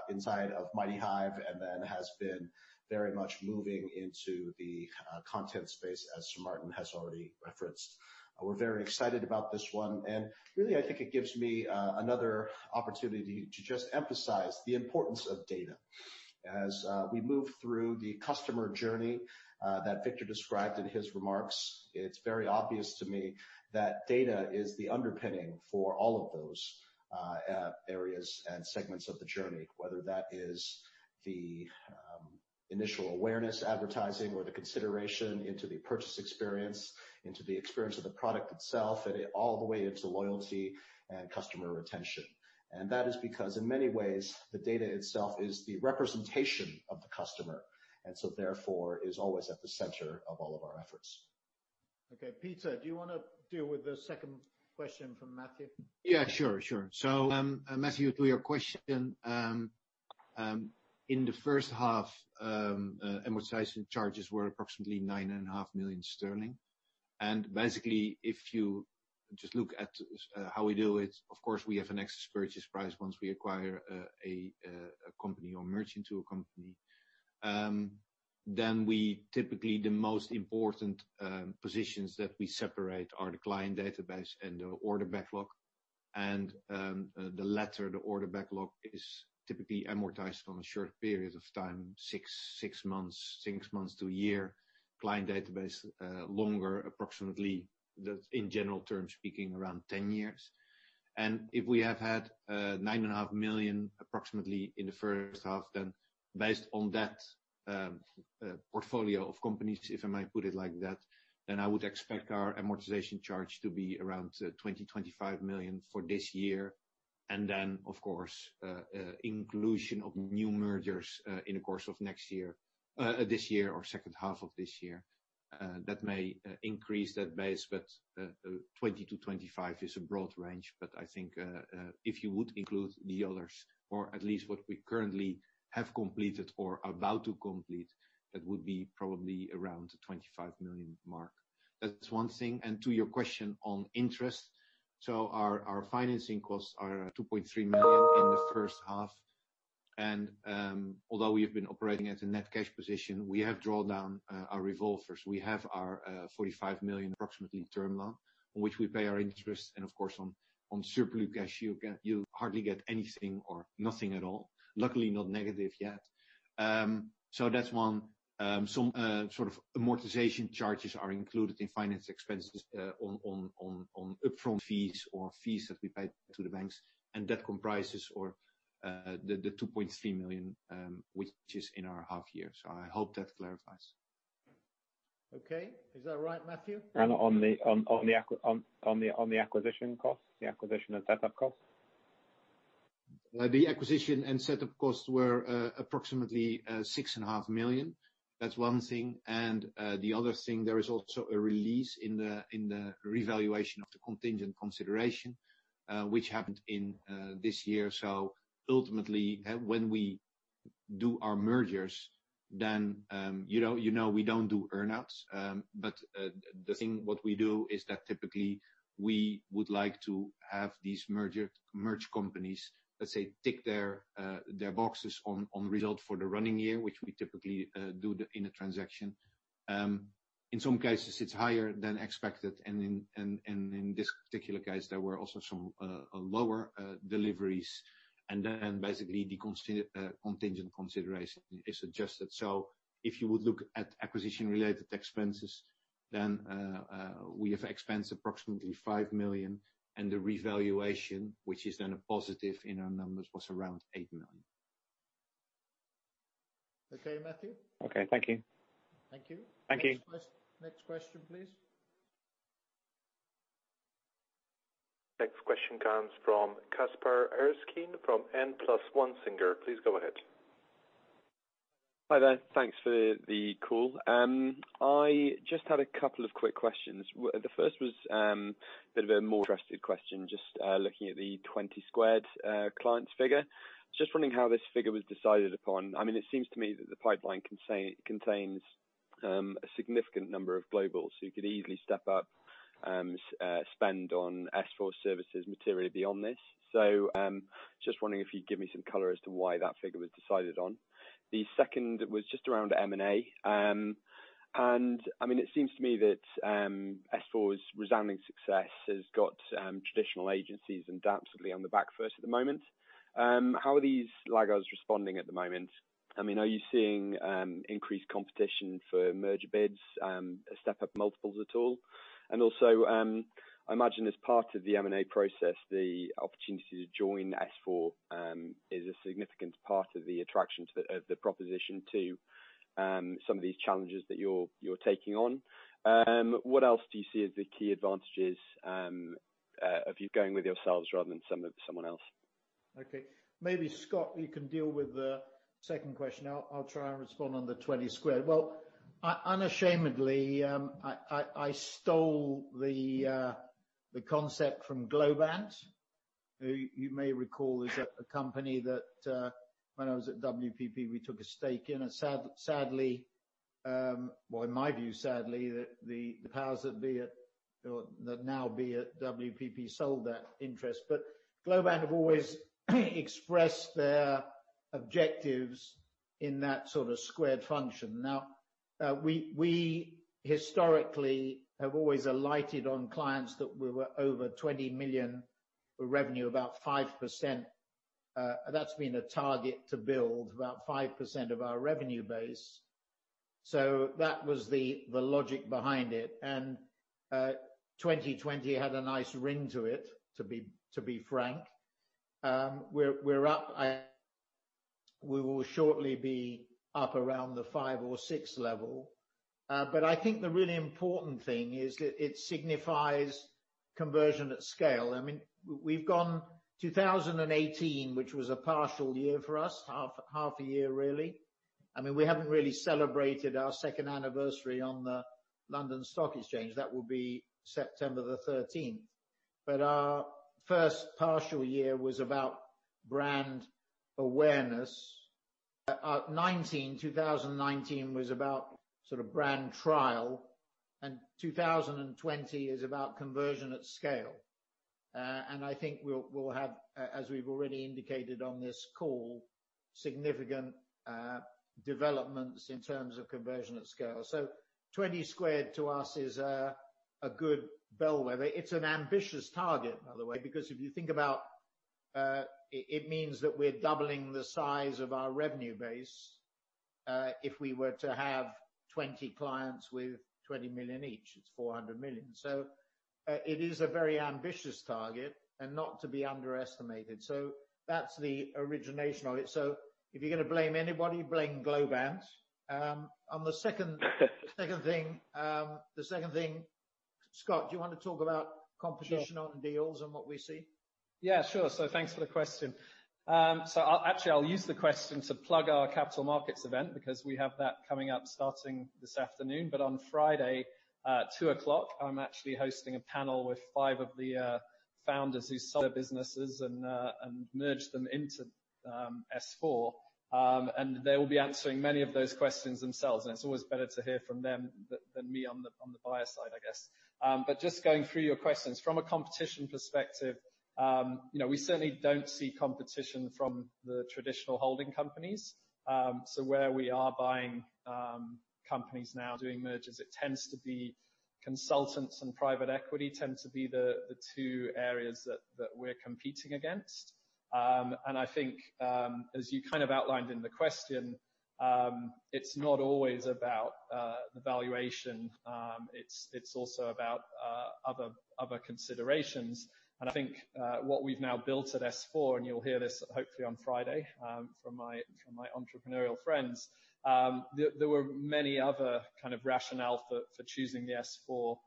inside of MightyHive and then has been very much moving into the content space as Martin Sorrell has already referenced. We're very excited about this one, and really, I think it gives me another opportunity to just emphasize the importance of data. As we move through the customer journey that Victor Knaap described in his remarks, it's very obvious to me that data is the underpinning for all of those areas and segments of the journey, whether that is the initial awareness advertising or the consideration into the purchase experience, into the experience of the product itself, and all the way into loyalty and customer retention. That is because in many ways, the data itself is the representation of the customer, and so therefore is always at the center of all of our efforts. Okay. Peter Rademaker, do you want to deal with the second question from Matthew Walker? Yeah, sure. Matthew Walker, to your question, in the first half, amortization charges were approximately 9.5 million sterling. Basically, if you just look at how we do it, of course, we have an excess purchase price once we acquire a company or merge into a company. We typically, the most important positions that we separate are the client database and the order backlog. The latter, the order backlog is typically amortized on a short period of time, six months to a year. Client database, longer, approximately, in general terms speaking, around 10 years. If we have had 9.5 million, approximately in the first half, then based on that portfolio of companies, if I might put it like that, I would expect our amortization charge to be around 20 million-25 million for this year. Of course, inclusion of new mergers in the course of next year, this year or second half of this year, that may increase that base, 20 million-25 million is a broad range. I think, if you would include the others or at least what we currently have completed or are about to complete, that would be probably around the 25 million mark. That's one thing. To your question on interest, our financing costs are 2.3 million in the first half. Although we have been operating at a net cash position, we have drawn down our revolvers. We have our 45 million approximately term loan, on which we pay our interest, and of course, on surplus cash, you hardly get anything or nothing at all. Luckily, not negative yet. That's one. Some sort of amortization charges are included in finance expenses on upfront fees or fees that we paid to the banks. That comprises the 2.3 million, which is in our half year. I hope that clarifies. Okay. Is that all right, Matthew Walker? On the acquisition costs, the acquisition and setup costs? The acquisition and setup costs were approximately 6.5 million. That's one thing. The other thing, there is also a release in the revaluation of the contingent consideration, which happened in this year. Ultimately, when we do our mergers, then we don't do earn-outs. The thing what we do is that typically we would like to have these merged companies, let's say, tick their boxes on result for the running year, which we typically do in a transaction. In some cases, it's higher than expected. In this particular case, there were also some lower deliveries. Then basically the contingent consideration is adjusted. If you would look at acquisition-related expenses, then we have expensed approximately 5 million. The revaluation, which is then a positive in our numbers, was around 8 million. Okay, Matthew Walker. Okay, thank you. Thank you. Thank you. Next question, please. Next question comes from Caspar Erskine from N+1 Singer. Please go ahead. Hi there. Thanks for the call. I just had a couple of quick questions. The first was a bit of a more trusted question, just looking at the 20 Squared clients figure. Just wondering how this figure was decided upon. It seems to me that the pipeline contains a significant number of globals, so you could easily step up spend on S4 Capital services materially beyond this. Just wondering if you'd give me some color as to why that figure was decided on. The second was just around M&A. It seems to me that S4 Capital resounding success has got traditional agencies and absolutely on the back foot at the moment. How are these logos responding at the moment? Are you seeing increased competition for merger bids, a step up multiples at all? Also, I imagine as part of the M&A process, the opportunity to join S4 Capital is a significant part of the attraction to the proposition to some of these challenges that you're taking on. What else do you see as the key advantages of you going with yourselves rather than someone else? Okay. Maybe Scott Spirit, you can deal with the second question. I'll try and respond on the 20 Squared. Unashamedly, I stole the concept from Globant, who you may recall is a company that when I was at WPP, we took a stake in. Sadly, well, in my view, sadly, the powers that be or that now be at WPP sold that interest. Globant have always expressed their objectives in that sort of squared function. Now, we historically have always alighted on clients that were over 20 million, with revenue about 5%. That's been a target to build about 5% of our revenue base. That was the logic behind it. 2020 had a nice ring to it, to be frank. We will shortly be up around the 5% or 6% level. I think the really important thing is that it signifies conversion at scale. We've gone 2018, which was a partial year for us, half a year, really. We haven't really celebrated our second anniversary on the London Stock Exchange. That will be September the 13th. Our first partial year was about brand awareness. 2019 was about sort of brand trial, and 2020 is about conversion at scale. I think we'll have, as we've already indicated on this call, significant developments in terms of conversion at scale. 20 Squared to us is a good bellwether. It's an ambitious target, by the way, because if you think about it means that we're doubling the size of our revenue base. If we were to have 20 clients with $20 million each, it's $400 million. It is a very ambitious target and not to be underestimated. That's the origination of it. If you're going to blame anybody, blame Globant. On the second thing, Scott Spirit, do you want to talk about competition on deals and what we see? Yeah, sure. Thanks for the question. Actually, I'll use the question to plug our capital markets event because we have that coming up starting this afternoon, but on Friday at 2:00 P.M., I'm actually hosting a panel with five of the founders who sold their businesses and merged them into S4 Capital. They will be answering many of those questions themselves, and it's always better to hear from them than me on the buyer side, I guess. Just going through your questions, from a competition perspective, we certainly don't see competition from the traditional holding companies. Where we are buying companies now, doing mergers, it tends to be consultants and private equity tend to be the two areas that we're competing against. I think as you outlined in the question, it's not always about the valuation. It's also about other considerations, and I think what we've now built at S4 Capital, and you'll hear this hopefully on Friday from my entrepreneurial friends, there were many other kind of rationale for choosing the S4 Capital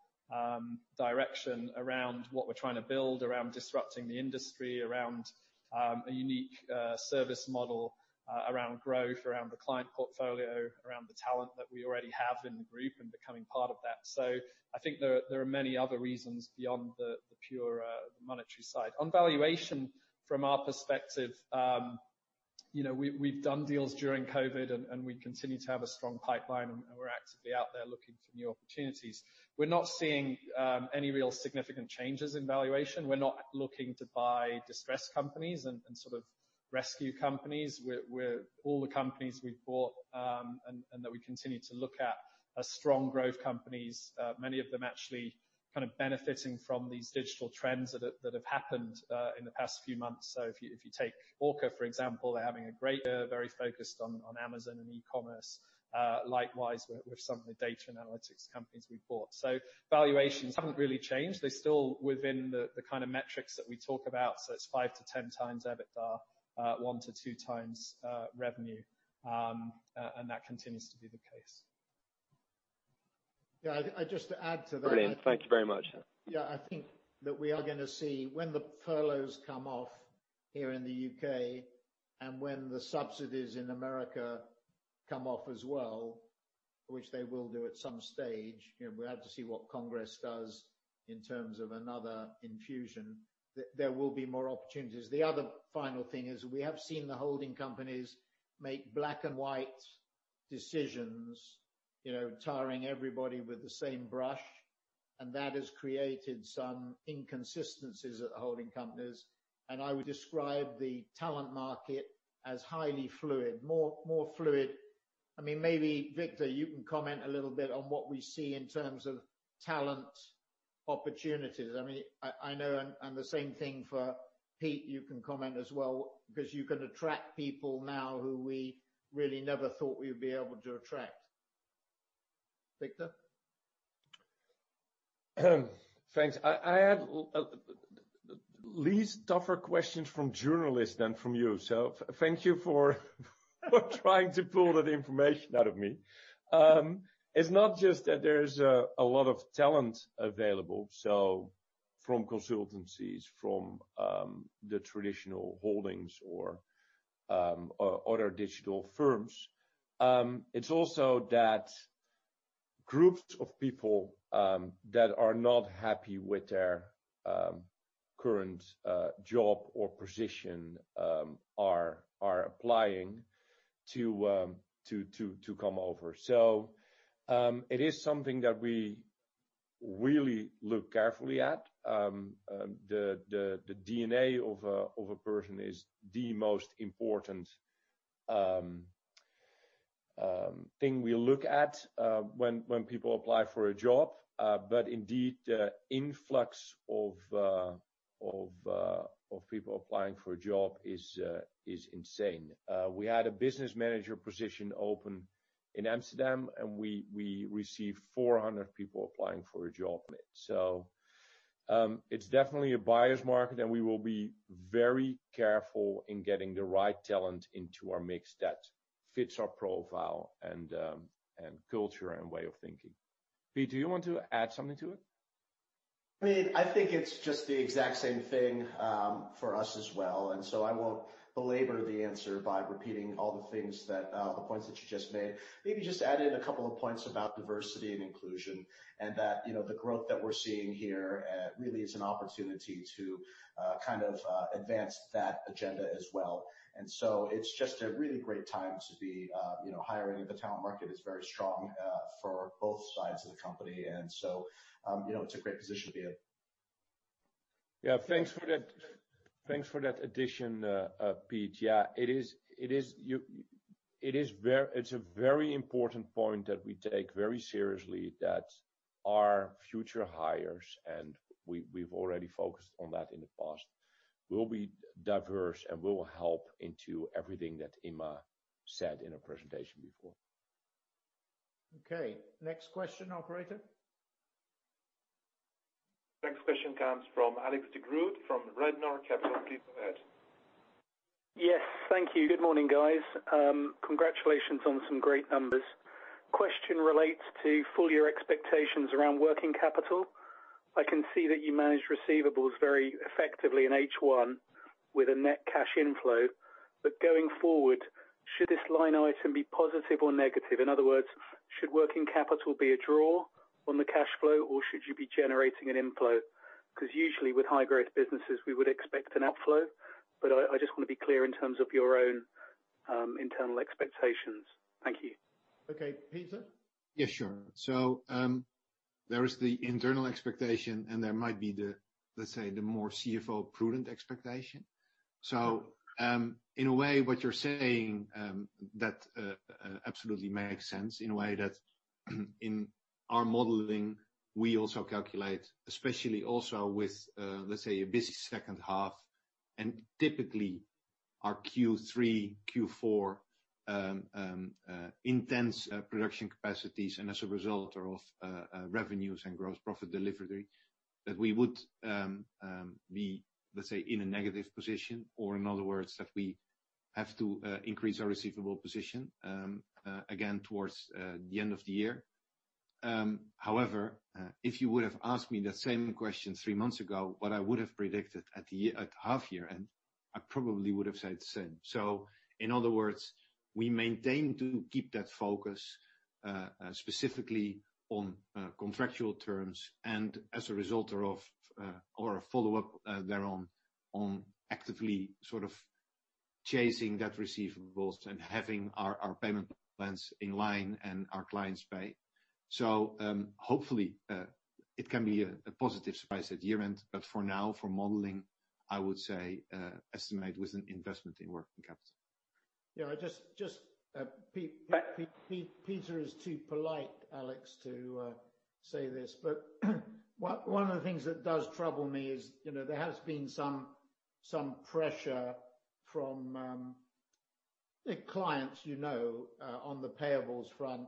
direction around what we're trying to build, around disrupting the industry, around a unique service model, around growth, around the client portfolio, around the talent that we already have in the group and becoming part of that. I think there are many other reasons beyond the pure monetary side. On valuation from our perspective, we've done deals during COVID-19 and we continue to have a strong pipeline and we're actively out there looking for new opportunities. We're not seeing any real significant changes in valuation. We're not looking to buy distressed companies and sort of rescue companies, where all the companies we've bought, and that we continue to look at, are strong growth companies. Many of them actually kind of benefiting from these digital trends that have happened in the past few months. If you take Orca, for example, they're having a great year, very focused on Amazon and e-commerce. Likewise with some of the data and analytics companies we bought. Valuations haven't really changed. They're still within the kind of metrics that we talk about. It's 5 to 10 times EBITDA, one to two times revenue. That continues to be the case. Yeah, just to add to that. Brilliant. Thank you very much I think that we are going to see when the furloughs come off here in the U.K. and when the subsidies in America come off as well, which they will do at some stage. We'll have to see what Congress does in terms of another infusion. There will be more opportunities. The other final thing is we have seen the holding companies make black and white decisions, tarring everybody with the same brush, and that has created some inconsistencies at the holding companies. I would describe the talent market as highly fluid. More fluid. Maybe Victor Knaap, you can comment a little bit on what we see in terms of talent opportunities. I know, and the same thing for Peter Kim, you can comment as well, because you can attract people now who we really never thought we would be able to attract. Victor Knaap? Thanks. I have least tougher questions from journalists than from you. Thank you for trying to pull that information out of me. It's not just that there's a lot of talent available, so from consultancies, from the traditional holdings or other digital firms. It's also that groups of people that are not happy with their current job or position are applying to come over. It is something that we really look carefully at. The DNA of a person is the most important thing we look at when people apply for a job. Indeed, the influx of people applying for a job is insane. We had a business manager position open in Amsterdam, and we received 400 people applying for a job. It's definitely a buyer's market, and we will be very careful in getting the right talent into our mix that fits our profile and culture and way of thinking. Peter Kim, do you want to add something to it? I think it's just the exact same thing for us as well. I won't belabor the answer by repeating all the points that you just made. Maybe just add in a couple of points about diversity and inclusion and that the growth that we're seeing here really is an opportunity to advance that agenda as well. It's just a really great time to be hiring. The talent market is very strong for both sides of the company. It's a great position to be in. Yeah, thanks for that addition, Peter Kim. Yeah, it's a very important point that we take very seriously that our future hires, and we've already focused on that in the past, will be diverse and will help into everything that Imma Trillo said in her presentation before. Okay, next question operator. Next question comes from Alex de Groot from Redburn Atlantic. Please go ahead. Yes. Thank you. Good morning, guys. Congratulations on some great numbers. Question relates to full year expectations around working capital. I can see that you managed receivables very effectively in H1 with a net cash inflow. Going forward, should this line item be positive or negative? In other words, should working capital be a draw on the cash flow, or should you be generating an inflow? Usually with high growth businesses, we would expect an outflow. I just want to be clear in terms of your own internal expectations. Thank you. Okay, Peter Rademaker? Yeah, sure. There is the internal expectation, and there might be, let's say, the more CFO prudent expectation. In a way, what you're saying absolutely makes sense in a way that in our modeling, we also calculate, especially also with, let's say, a busy second half, and typically our Q3, Q4 intense production capacities, and as a result of revenues and gross profit delivery, that we would be, let's say, in a negative position. In other words, that we have to increase our receivable position again towards the end of the year. If you would have asked me the same question three months ago, what I would have predicted at half year end, I probably would have said the same. In other words, we maintain to keep that focus specifically on contractual terms and as a result of our follow-up thereon on actively sort of chasing that receivables and having our payment plans in line and our clients pay. Hopefully it can be a positive surprise at year-end. For now, for modeling, I would say estimate with an investment in working capital. Yeah, Peter Rademaker is too polite, Alex de Groot, to say this, but one of the things that does trouble me is there has been some pressure from big clients on the payables front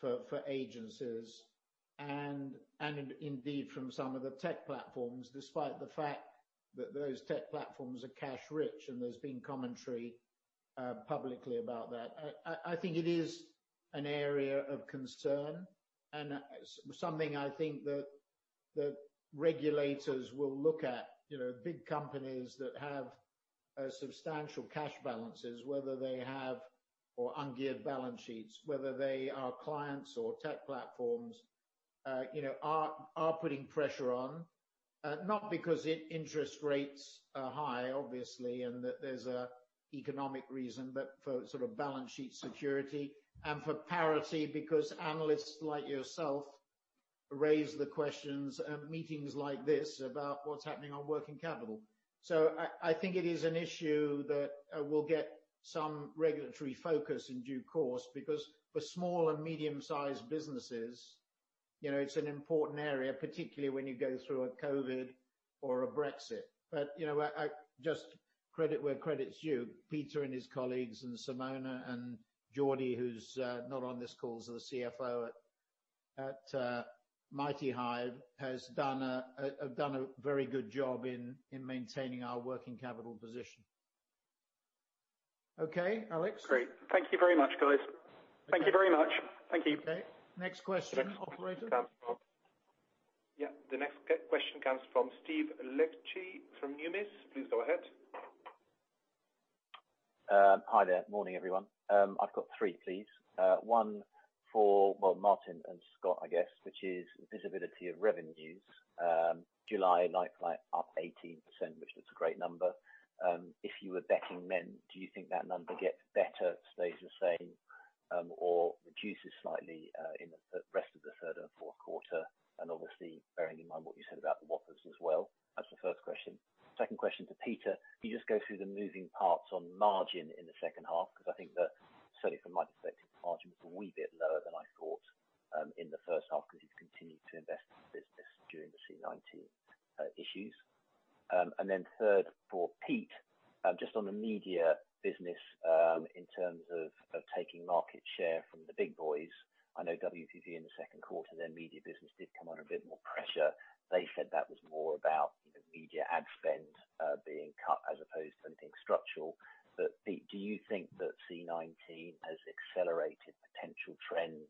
for agencies and indeed from some of the tech platforms, despite the fact that those tech platforms are cash rich, and there's been commentary publicly about that. I think it is an area of concern and something I think that regulators will look at. Big companies that have substantial cash balances, whether they have, or ungeared balance sheets, whether they are clients or tech platforms, are putting pressure on, not because interest rates are high, obviously, and that there's a economic reason, but for sort of balance sheet security and for parity, because analysts like yourself raise the questions at meetings like this about what's happening on working capital. I think it is an issue that will get some regulatory focus in due course, because for small and medium-sized businesses, it's an important area, particularly when you go through a COVID-19 or a Brexit. Just credit where credit's due, Peter and his colleagues and Simona and Jordi, who's not on this call, so the CFO at MightyHive, have done a very good job in maintaining our working capital position. Okay, Alex de Groot? Great. Thank you very much, guys. Thank you very much. Thank you. Okay, next question, operator. Yeah. The next question comes from Steve Liechti from Numis. Please go ahead. Hi there. Morning, everyone. I've got three, please. One for, well, Martin Sorrell and Scott Spirit, I guess, which is visibility of revenues. July, like up 18%, which is a great number. If you were betting then, do you think that number gets better, stays the same, or reduces slightly in the rest of the third and fourth quarter? Obviously bearing in mind what you said about the Whoppers as well. That's the first question. Second question to Peter Rademaker. Can you just go through the moving parts on margin in the second half? I think that certainly from my perspective, margin was a wee bit lower than I thought, in the first half because you've continued to invest in the business during the COVID-19 issues. Third for Peter Kim, just on the media business, in terms of taking market share from the big boys. I know WPP in the second quarter, their media business did come under a bit more pressure. They said that was more about media ad spend being cut as opposed to anything structural. Peter Kim, do you think that COVID-19 has accelerated potential trends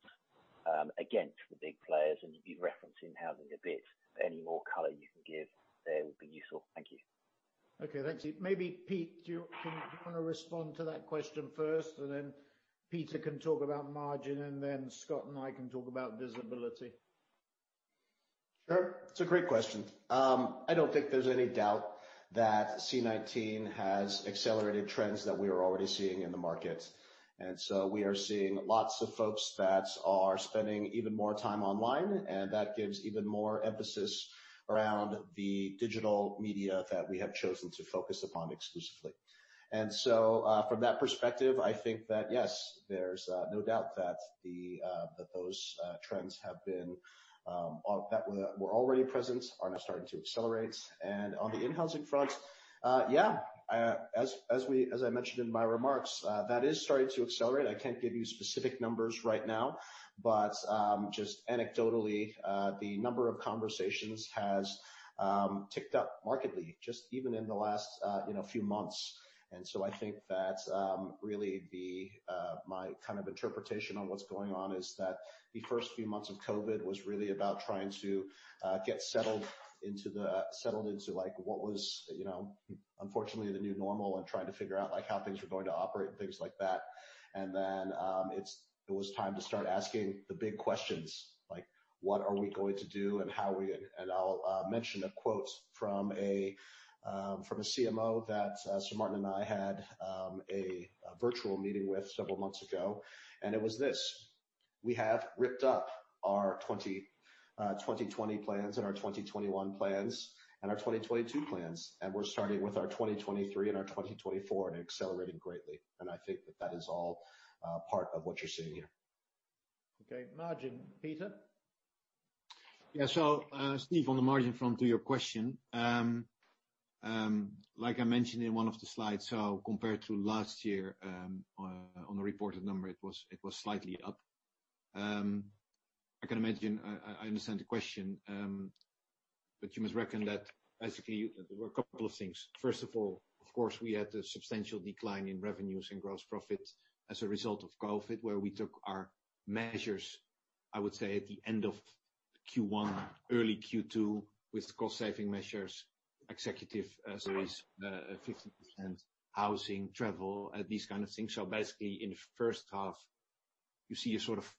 against the big players? You referenced in-housing a bit. Any more color you can give there would be useful. Thank you. Okay, thank you. Maybe Peter Kim, do you want to respond to that question first, and then Peter Rademaker can talk about margin, and then Scott and I can talk about visibility? Sure. It's a great question. I don't think there's any doubt that COVID-19 has accelerated trends that we were already seeing in the market. We are seeing lots of folks that are spending even more time online, and that gives even more emphasis around the digital media that we have chosen to focus upon exclusively. From that perspective, I think that yes, there's no doubt that those trends that were already present are now starting to accelerate. On the in-housing front, yeah, as I mentioned in my remarks, that is starting to accelerate. I can't give you specific numbers right now, but just anecdotally, the number of conversations has ticked up markedly just even in the last few months. I think that really my kind of interpretation on what's going on is that the first few months of COVID-19 was really about trying to get settled into what was unfortunately the new normal and trying to figure out how things were going to operate and things like that. Then it was time to start asking the big questions like, what are we going to do. I'll mention a quote from a CMO that Sir Martin Sorrell and I had a virtual meeting with several months ago, and it was this We have ripped up our 2020 plans and our 2021 plans and our 2022 plans, and we're starting with our 2023 and our 2024 and accelerating greatly. I think that is all part of what you're seeing here. Okay. Margin, Peter Rademaker? Steve, on the margin front, to your question, like I mentioned in one of the slides, compared to last year, on the reported number, it was slightly up. I can imagine, I understand the question, you must reckon that basically there were a couple of things. First of all, of course, we had a substantial decline in revenues and gross profit as a result of COVID-19, where we took our measures, I would say, at the end of Q1, early Q2, with cost-saving measures, executive salaries, 50% housing, travel, these kind of things. Basically, in the first half, you see a sort of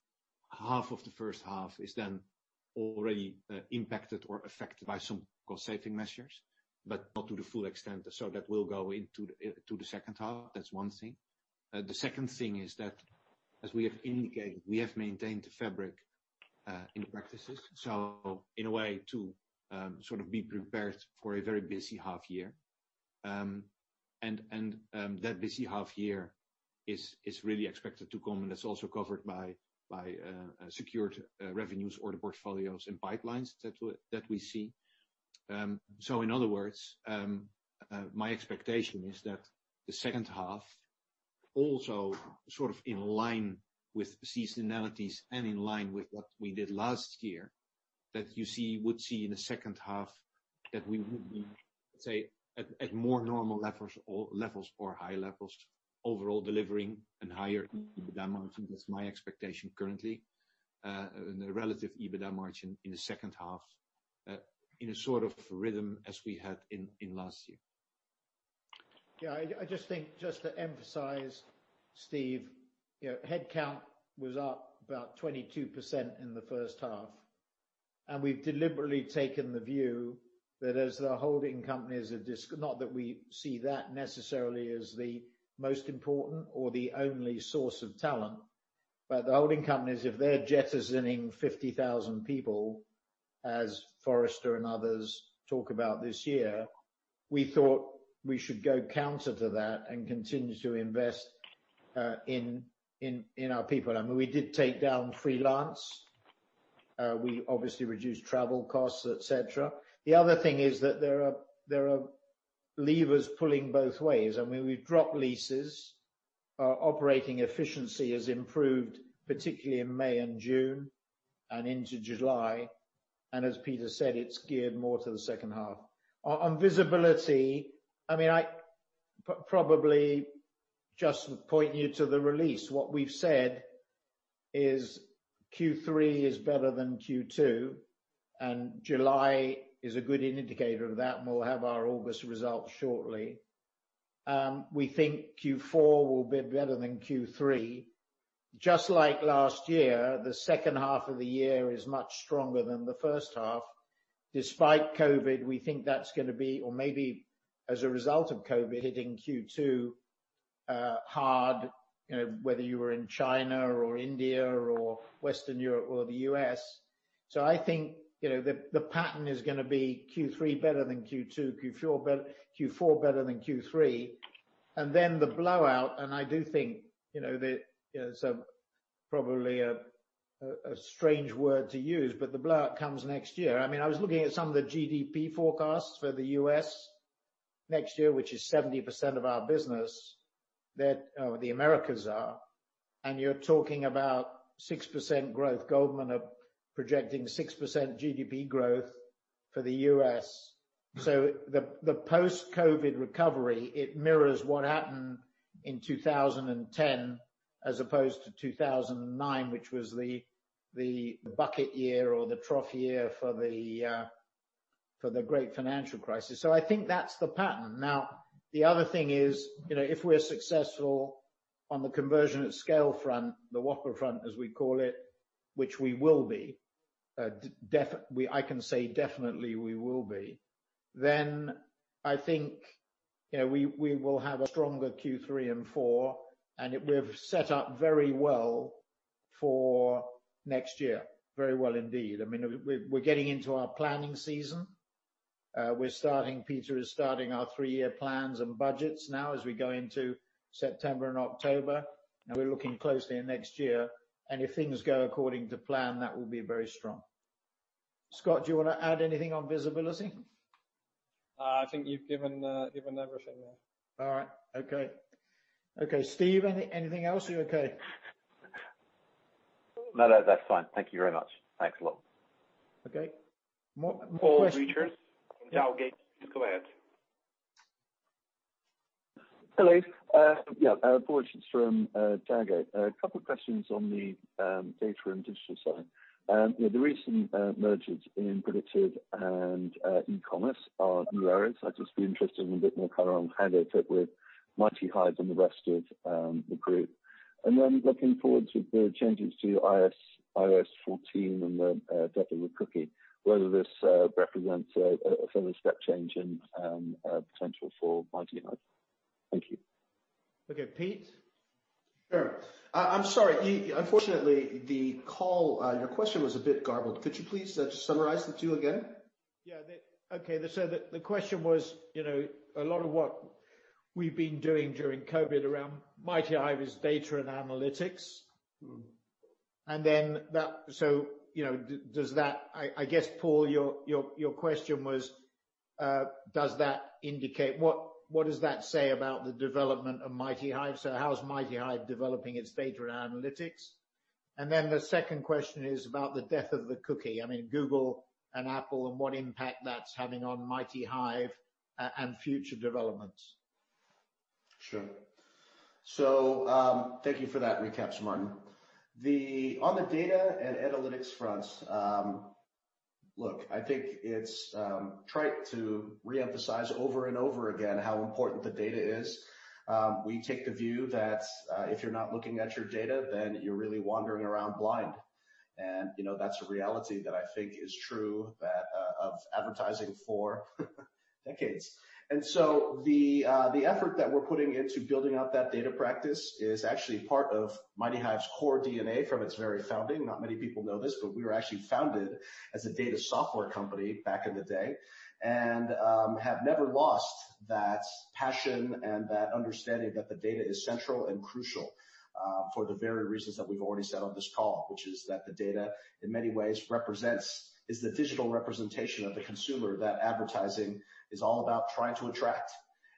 half of the first half is then already impacted or affected by some cost-saving measures, not to the full extent. That will go into the second half. That's one thing. The second thing is that, as we have indicated, we have maintained the fabric in practices. In a way to sort of be prepared for a very busy half year. That busy half year is really expected to come, and it's also covered by secured revenues or the portfolios and pipelines that we see. In other words, my expectation is that the second half also sort of in line with seasonalities and in line with what we did last year, that you would see in the second half that we would say at more normal levels or high levels overall delivering a higher EBITDA margin. That's my expectation currently, in the relative EBITDA margin in the second half, in a sort of rhythm as we had in last year. Yeah, I just think to emphasize, Steve Liechti, headcount was up about 22% in the first half. We've deliberately taken the view that as the holding companies are not that we see that necessarily as the most important or the only source of talent, but the holding companies, if they're jettisoning 50,000 people, as Forrester and others talk about this year, we thought we should go counter to that and continue to invest in our people. I mean, we did take down freelance. We obviously reduced travel costs, et cetera. The other thing is that there are levers pulling both ways. I mean, we've dropped leases. Our operating efficiency has improved, particularly in May and June and into July. As Peter Rademaker said, it's geared more to the second half. On visibility, I probably just point you to the release. What we've said is Q3 is better than Q2, and July is a good indicator of that, and we'll have our August results shortly. We think Q4 will be better than Q3. Just like last year, the second half of the year is much stronger than the first half. Despite COVID-19, we think that's going to be, or maybe as a result of COVID-19 hitting Q2 hard, whether you were in China or India or Western Europe or the U.S. I think the pattern is going to be Q3 better than Q2, Q4 better than Q3. Then the blowout, and I do think it's probably a strange word to use, but the blowout comes next year. I was looking at some of the GDP forecasts for the U.S. next year, which is 70% of our business, the Americas are. You're talking about 6% growth. Goldman are projecting 6% GDP growth for the U.S. The post-COVID-19 recovery, it mirrors what happened in 2010 as opposed to 2009, which was the bucket year or the trough year for the great financial crisis. I think that's the pattern. Now, the other thing is, if we're successful on the conversion at scale front, the Whopper front, as we call it, which we will be, I can say definitely we will be, then I think we will have a stronger Q3 and four, and we're set up very well for next year. Very well indeed. We're getting into our planning season. Peter Rademaker is starting our three-year plans and budgets now as we go into September and October, and we're looking closely at next year. If things go according to plan, that will be very strong. Scott Spirit, do you want to add anything on visibility? I think you've given everything there. All right. Okay. Okay, Steve Liechti, anything else or you're okay? No, that's fine. Thank you very much. Thanks a lot. Okay. More questions? Paul Richards from Berenberg, please go ahead. Hello. Yeah, Paul Richards from Berenberg. A couple of questions on the data and digital side. The recent mergers in predictive and e-commerce are new areas. I'd just be interested in a bit more color on how they fit with MightyHive and the rest of the group. Looking forwards with the changes to iOS 14 and the death of the cookie, whether this represents a further step change in potential for MightyHive. Thank you. Okay, Peter Kim? Sure. I'm sorry. Unfortunately, the call, your question was a bit garbled. Could you please just summarize the two again? Yeah. Okay. The question was, a lot of what we've been doing during COVID-19 around MightyHive is data and analytics. I guess, Paul Richards, your question was, what does that say about the development of MightyHive? How's MightyHive developing its data and analytics? The second question is about the death of the cookie. Google and Apple, and what impact that's having on MightyHive and future developments. Sure. Thank you for that recap, Martin Sorrell. On the data and analytics fronts, look, I think it's trite to reemphasize over and over again how important the data is. We take the view that, if you're not looking at your data, then you're really wandering around blind. That's a reality that I think is true, of advertising for decades. The effort that we're putting into building out that data practice is actually part of MightyHive's core DNA from its very founding. Not many people know this, but we were actually founded as a data software company back in the day and have never lost that passion and that understanding that the data is central and crucial, for the very reasons that we've already said on this call, which is that the data, in many ways, is the digital representation of the consumer that advertising is all about trying to attract.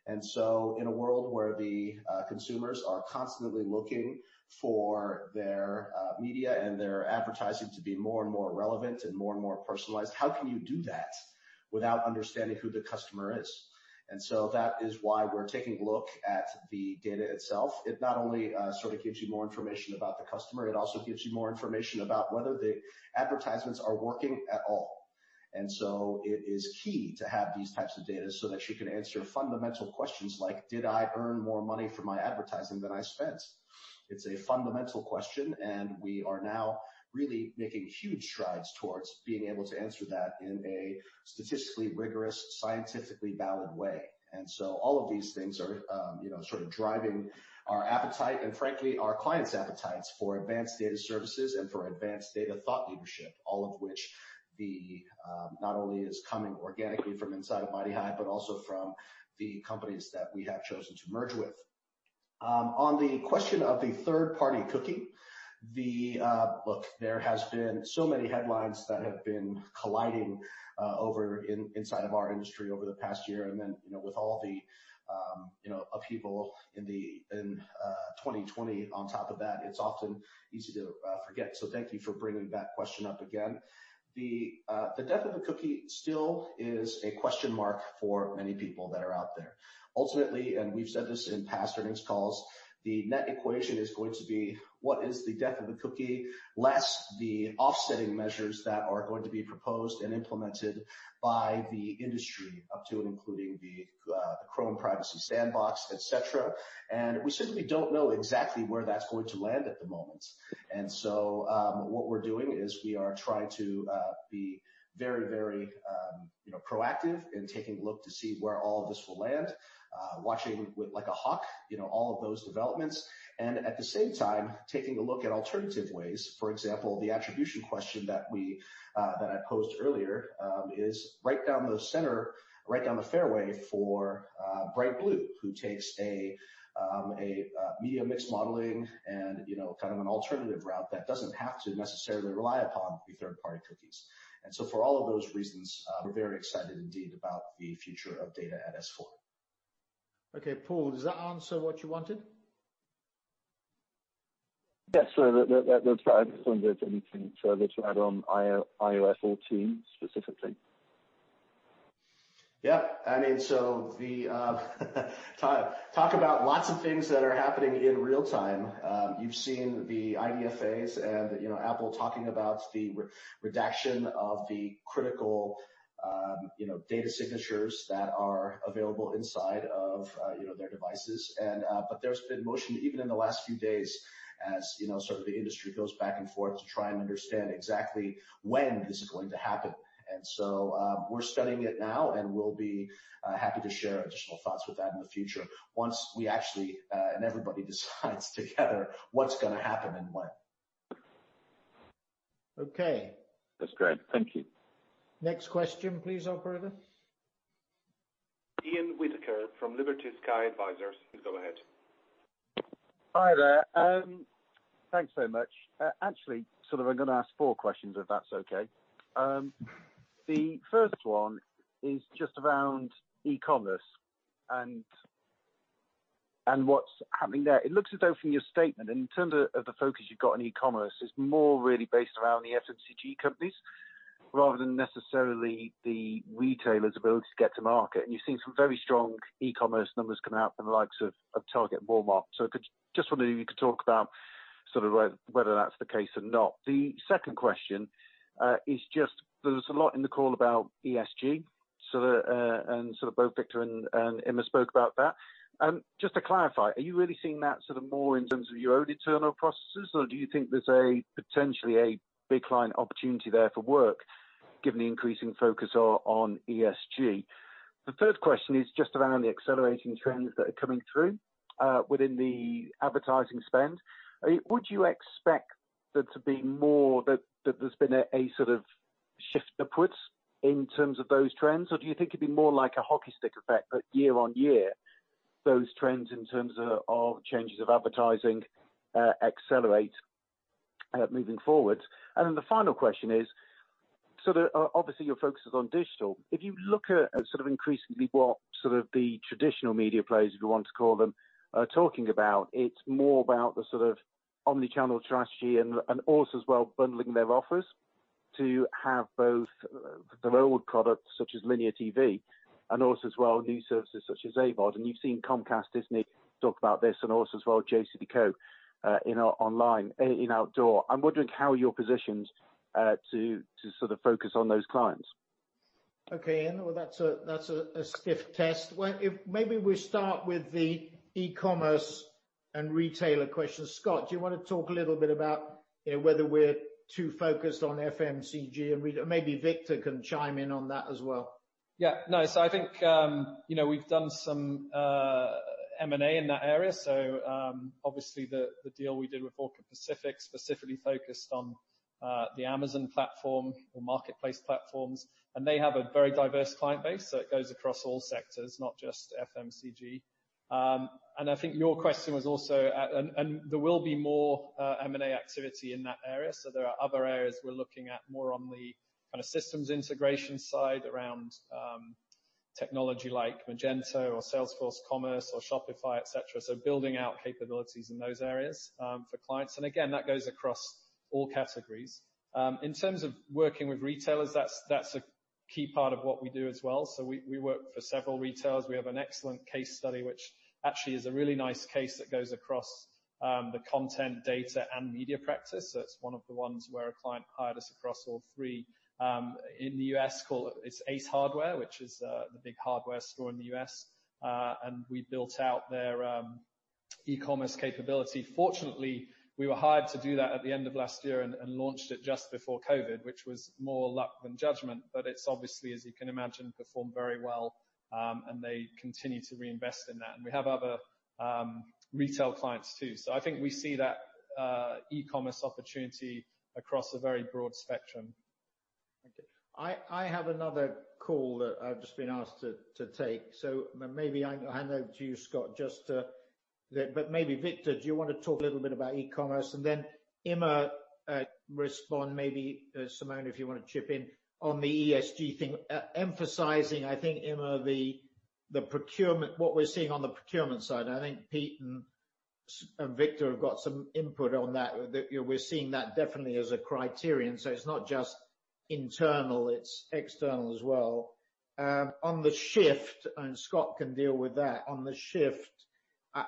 In a world where the consumers are constantly looking for their media and their advertising to be more and more relevant and more and more personalized, how can you do that without understanding who the customer is? That is why we're taking a look at the data itself. It not only sort of gives you more information about the customer, it also gives you more information about whether the advertisements are working at all. It is key to have these types of data so that you can answer fundamental questions like, "Did I earn more money from my advertising than I spent?" It's a fundamental question, and we are now really making huge strides towards being able to answer that in a statistically rigorous, scientifically valid way. All of these things are sort of driving our appetite and frankly our clients' appetites for advanced data services and for advanced data thought leadership, all of which not only is coming organically from inside of MightyHive, but also from the companies that we have chosen to merge with. On the question of the third-party cookie, look, there has been so many headlines that have been colliding over in inside of our industry over the past year, and then with all the upheaval in 2020 on top of that, it's often easy to forget. Thank you for bringing that question up again. The death of the cookie still is a question mark for many people that are out there. Ultimately, we've said this in past earnings calls, the net equation is going to be what is the death of the cookie, less the offsetting measures that are going to be proposed and implemented by the industry up to and including the Chrome Privacy Sandbox, et cetera. We simply don't know exactly where that's going to land at the moment. What we're doing is we are trying to be very proactive in taking a look to see where all of this will land, watching with a hawk all of those developments, and at the same time, taking a look at alternative ways. For example, the attribution question that I posed earlier, is right down the center, right down the fairway for BrightBlue, who takes a media mix modeling and kind of an alternative route that doesn't have to necessarily rely upon the third-party cookies. For all of those reasons, we're very excited indeed about the future of data at S4 Capital. Okay. Paul Richards, does that answer what you wanted? Yes. That's right. I just wondered if anything further to add on iOS 14 specifically. Yeah. Talk about lots of things that are happening in real time. You've seen the IDFA and Apple talking about the redaction of the critical data signatures that are available inside of their devices. There's been motion even in the last few days as sort of the industry goes back and forth to try and understand exactly when this is going to happen. We're studying it now, and we'll be happy to share additional thoughts with that in the future once we actually, and everybody, decides together what's going to happen and when. Okay. That's great. Thank you. Next question, please, operator. Ian Whittaker from Liberty Sky Advisors, please go ahead. Hi there. Thanks so much. Actually, sort of, I'm going to ask four questions, if that's okay. The first one is just around e-commerce and what's happening there. It looks as though from your statement, and in terms of the focus you've got on e-commerce, it's more really based around the FMCG companies rather than necessarily the retailer's ability to get to market, and you've seen some very strong e-commerce numbers come out from the likes of Target and Walmart. Just wondering if you could talk about sort of whether that's the case or not. The second question is just there's a lot in the call about ESG, and sort of both Victor Knaap and Imma Trillo spoke about that. Just to clarify, are you really seeing that sort of more in terms of your own internal processes, or do you think there's potentially a big client opportunity there for work? Given the increasing focus on ESG. The third question is just around the accelerating trends that are coming through within the advertising spend. Would you expect there to be a sort of shift upwards in terms of those trends? Do you think it'd be more like a hockey stick effect, year-on-year, those trends in terms of changes of advertising accelerate moving forward? The final question is, obviously your focus is on digital. If you look at sort of increasingly what the traditional media players, if you want to call them, are talking about, it's more about the sort of omni-channel strategy and also as well bundling their offers to have both the old products such as linear TV and also as well new services such as AVOD. You've seen Comcast, Disney talk about this, and also as well JCDecaux in online, in outdoor. I'm wondering how you're positioned to sort of focus on those clients. Okay, Ian, well, that's a stiff test. Well, maybe we start with the e-commerce and retailer question. Scott Spirit, do you want to talk a little bit about whether we're too focused on FMCG and maybe Victor Knaap can chime in on that as well? Yeah. No, I think we've done some M&A in that area. Obviously the deal we did with Orca Pacific specifically focused on the Amazon platform or marketplace platforms, and they have a very diverse client base, it goes across all sectors, not just FMCG. There will be more M&A activity in that area, there are other areas we're looking at more on the kind of systems integration side around technology like Magento or Salesforce Commerce or Shopify, et cetera. Building out capabilities in those areas, for clients. Again, that goes across all categories. In terms of working with retailers, that's a key part of what we do as well. We work for several retailers. We have an excellent case study, which actually is a really nice case that goes across the Content, Data and Media practice. It's one of the ones where a client hired us across all three, in the U.S., it's Ace Hardware, which is the big hardware store in the U.S. We built out their e-commerce capability. Fortunately, we were hired to do that at the end of last year and launched it just before COVID, which was more luck than judgment. It's obviously, as you can imagine, performed very well, and they continue to reinvest in that. We have other retail clients too. I think we see that e-commerce opportunity across a very broad spectrum. Okay. I have another call that I've just been asked to take. Maybe I hand over to you, Scott Spirit. Maybe Victor Knaap, do you want to talk a little bit about e-commerce? Then Imma Trillo, respond maybe. Simona, if you want to chip in on the ESG thing, emphasizing, I think, Imma Trillo, what we're seeing on the procurement side. I think Peter Kim and Victor Knaap have got some input on that we're seeing that definitely as a criterion. It's not just internal, it's external as well. On the shift, and Scott Spirit can deal with that,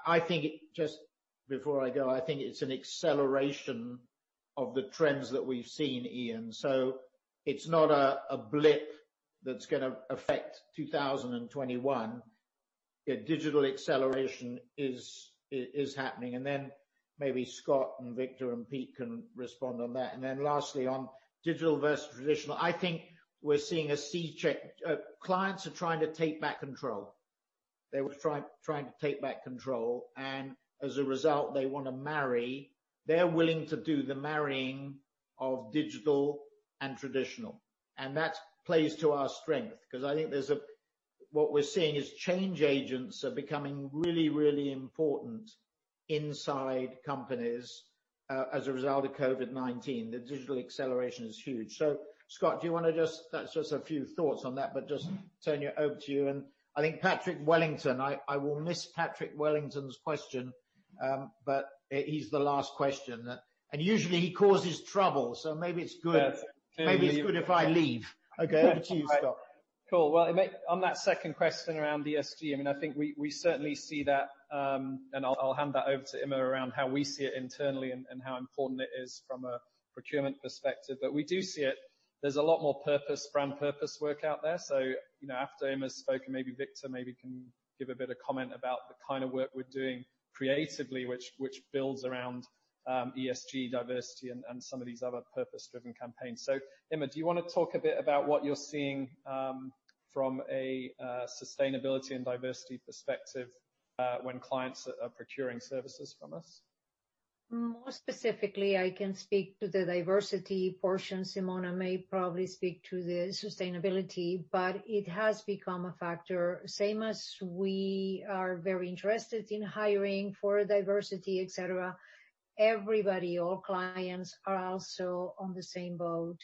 I think just before I go, it's an acceleration of the trends that we've seen, Ian. It's not a blip that's gonna affect 2021. Digital acceleration is happening. Then maybe Scott Spirit and Victor Knaap and Peter Kim can respond on that. Lastly, on digital versus traditional, I think we're seeing a sea change. Clients are trying to take back control. They were trying to take back control, and as a result, they're willing to do the marrying of digital and traditional, and that plays to our strength. I think what we're seeing is change agents are becoming really, really important inside companies, as a result of COVID-19. The digital acceleration is huge. Scott Spirit, That's just a few thoughts on that, but just turning it over to you. I think Patrick Wellington, I will miss Patrick Wellington's question, but he's the last question. Usually he causes trouble, so maybe it's good if I leave. Okay, over to you, Scott Spirit. Well, on that second question around ESG, I think we certainly see that, and I'll hand that over to Imma Trillo around how we see it internally and how important it is from a procurement perspective. We do see it. There's a lot more purpose, brand purpose work out there. After Imma Trillo's spoken, maybe Victor maybe can give a bit of comment about the kind of work we're doing creatively, which builds around ESG diversity and some of these other purpose-driven campaigns. Imma Trillo, do you want to talk a bit about what you're seeing, from a sustainability and diversity perspective, when clients are procuring services from us? More specifically, I can speak to the diversity portion. Simona Frew may probably speak to the sustainability, but it has become a factor. Same as we are very interested in hiring for diversity, et cetera. Everybody, all clients are also on the same boat,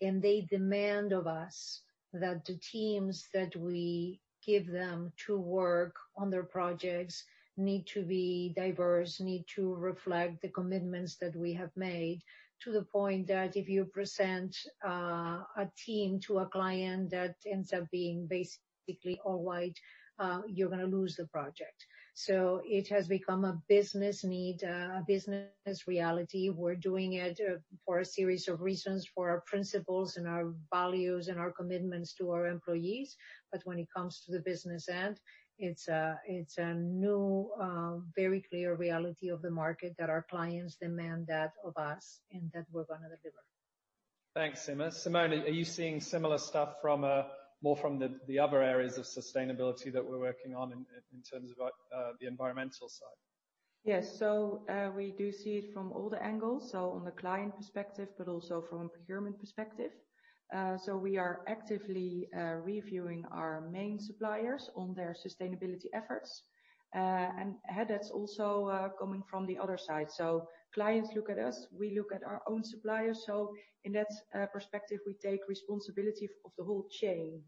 and they demand of us that the teams that we give them to work on their projects need to be diverse, need to reflect the commitments that we have made to the point that if you present a team to a client that ends up being basically all white, you're gonna lose the project. It has become a business need, a business reality. We're doing it for a series of reasons, for our principles and our values and our commitments to our employees. When it comes to the business end, it's a new, very clear reality of the market that our clients demand that of us and that we're gonna deliver. Thanks, Imma Trillo. Simona Frew, are you seeing similar stuff more from the other areas of sustainability that we're working on in terms of the environmental side? Yes. We do see it from all the angles, on the client perspective, but also from a procurement perspective. We are actively reviewing our main suppliers on their sustainability efforts. That's also coming from the other side. Clients look at us, we look at our own suppliers. In that perspective, we take responsibility of the whole chain.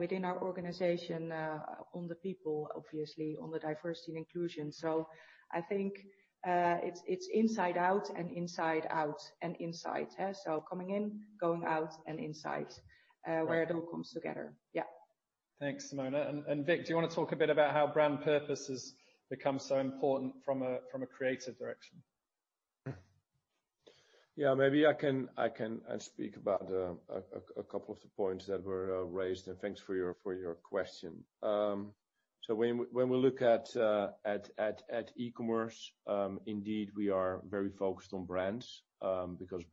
Within our organization, on the people, obviously, on the diversity and inclusion. I think it's inside out and inside out and inside. Coming in, going out, and inside, where it all comes together. Yes. Thanks, Simona. Victor Knaap, do you want to talk a bit about how brand purpose has become so important from a creative direction? Yeah, maybe I can speak about a couple of the points that were raised, and thanks for your question. When we look at e-commerce, indeed, we are very focused on brands, because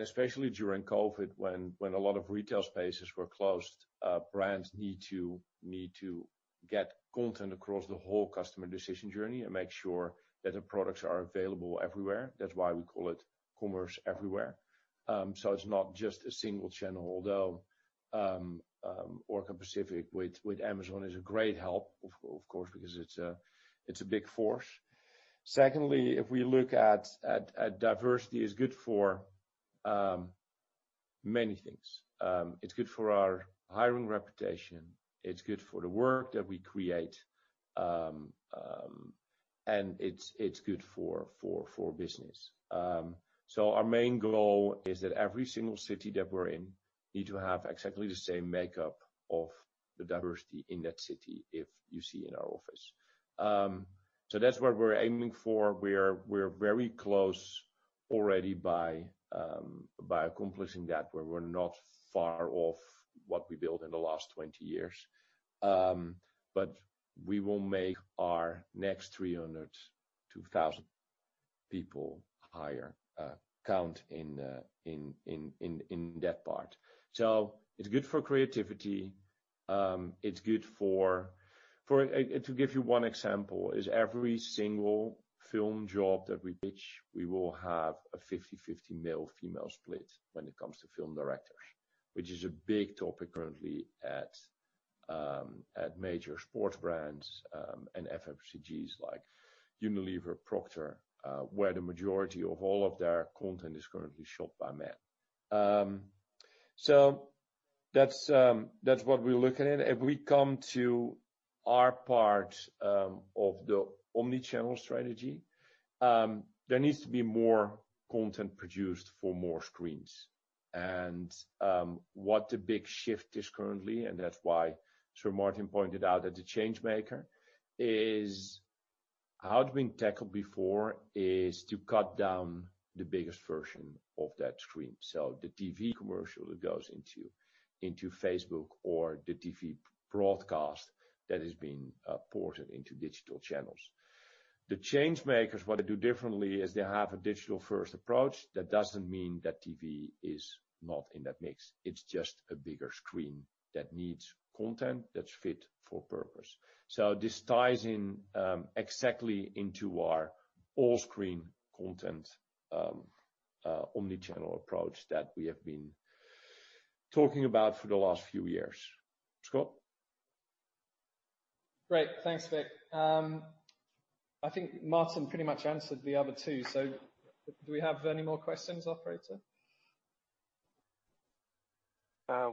especially during COVID-19, when a lot of retail spaces were closed, brands need to get content across the whole customer decision journey and make sure that the products are available everywhere. That's why we call it commerce everywhere. It's not just a single channel, although Orca Pacific with Amazon is a great help, of course, because it's a big force. Secondly, if we look at diversity is good for many things. It's good for our hiring reputation, it's good for the work that we create, and it's good for business. Our main goal is that every single city that we're in need to have exactly the same makeup of the diversity in that city if you see in our office. That's what we're aiming for. We're very close already by accomplishing that, where we're not far off what we built in the last 20 years. We will make our next 300, 2,000 people hire count in that part. It's good for creativity. To give you one example, is every single film job that we pitch, we will have a 50/50 male/female split when it comes to film directors, which is a big topic currently at major sports brands, and FMCGs like Unilever, Procter, where the majority of all of their content is currently shot by men. That's what we're looking at. If we come to our part of the omni-channel strategy, there needs to be more content produced for more screens. What the big shift is currently, and that's why Sir Martin Sorrell pointed out that the change maker, is how it's been tackled before is to cut down the biggest version of that screen. The TV commercial that goes into Facebook or the TV broadcast that is being ported into digital channels. The change makers, what they do differently is they have a digital-first approach. That doesn't mean that TV is not in that mix. It's just a bigger screen that needs content that's fit for purpose. This ties in exactly into our all-screen content omni-channel approach that we have been talking about for the last few years. Scott? Great. Thanks, Victor Knaap. I think Martin Sorrell pretty much answered the other two. Do we have any more questions, operator?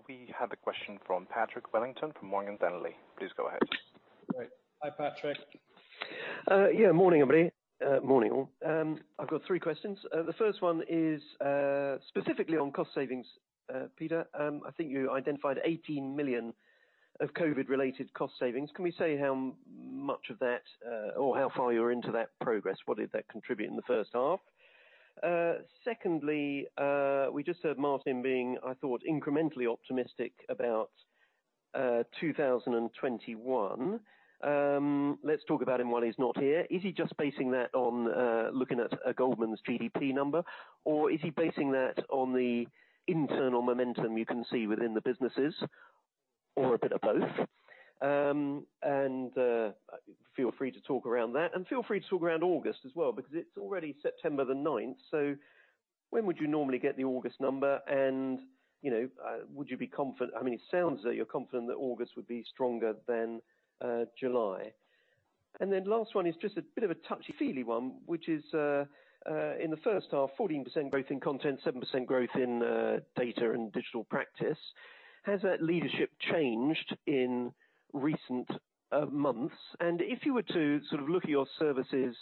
We have a question from Patrick Wellington from Morgan Stanley. Please go ahead. Great. Hi, Patrick Wellington. Yeah. Morning, everybody. Morning, all. I've got three questions. The first one is specifically on cost savings. Peter Rademaker, I think you identified 18 million of COVID-related cost savings. Can we say how much of that, or how far you're into that progress? What did that contribute in the first half? Secondly, we just heard Martin Sorrell being, I thought, incrementally optimistic about 2021. Let's talk about him while he's not here. Is he just basing that on looking at a Goldman Sachs GDP number, or is he basing that on the internal momentum you can see within the businesses or a bit of both? Feel free to talk around that and feel free to talk around August as well, because it's already September 9th. When would you normally get the August number and would you be confident I mean, it sounds that you're confident that August would be stronger than July? Last one is just a bit of a touchy-feely one, which is, in the first half, 14% growth in Content, 7% growth in Data and Digital Practice. Has that leadership changed in recent months? If you were to sort of look at your services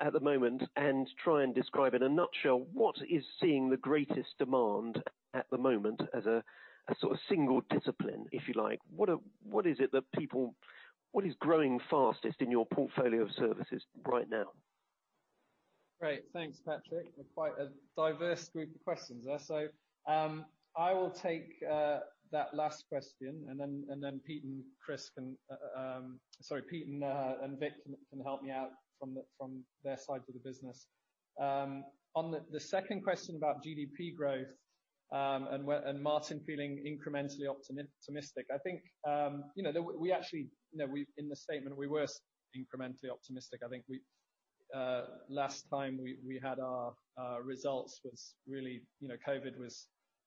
at the moment and try and describe in a nutshell what is seeing the greatest demand at the moment as a sort of single discipline, if you like, what is growing fastest in your portfolio of services right now? Great. Thanks, Patrick Wellington. Quite a diverse group of questions there. I will take that last question, and then Peter Kim and Victor Knaap can help me out from their side of the business. On the second question about GDP growth. Martin Sorrell feeling incrementally optimistic. I think, in the statement, we were incrementally optimistic. I think last time we had our results was really, COVID-19 was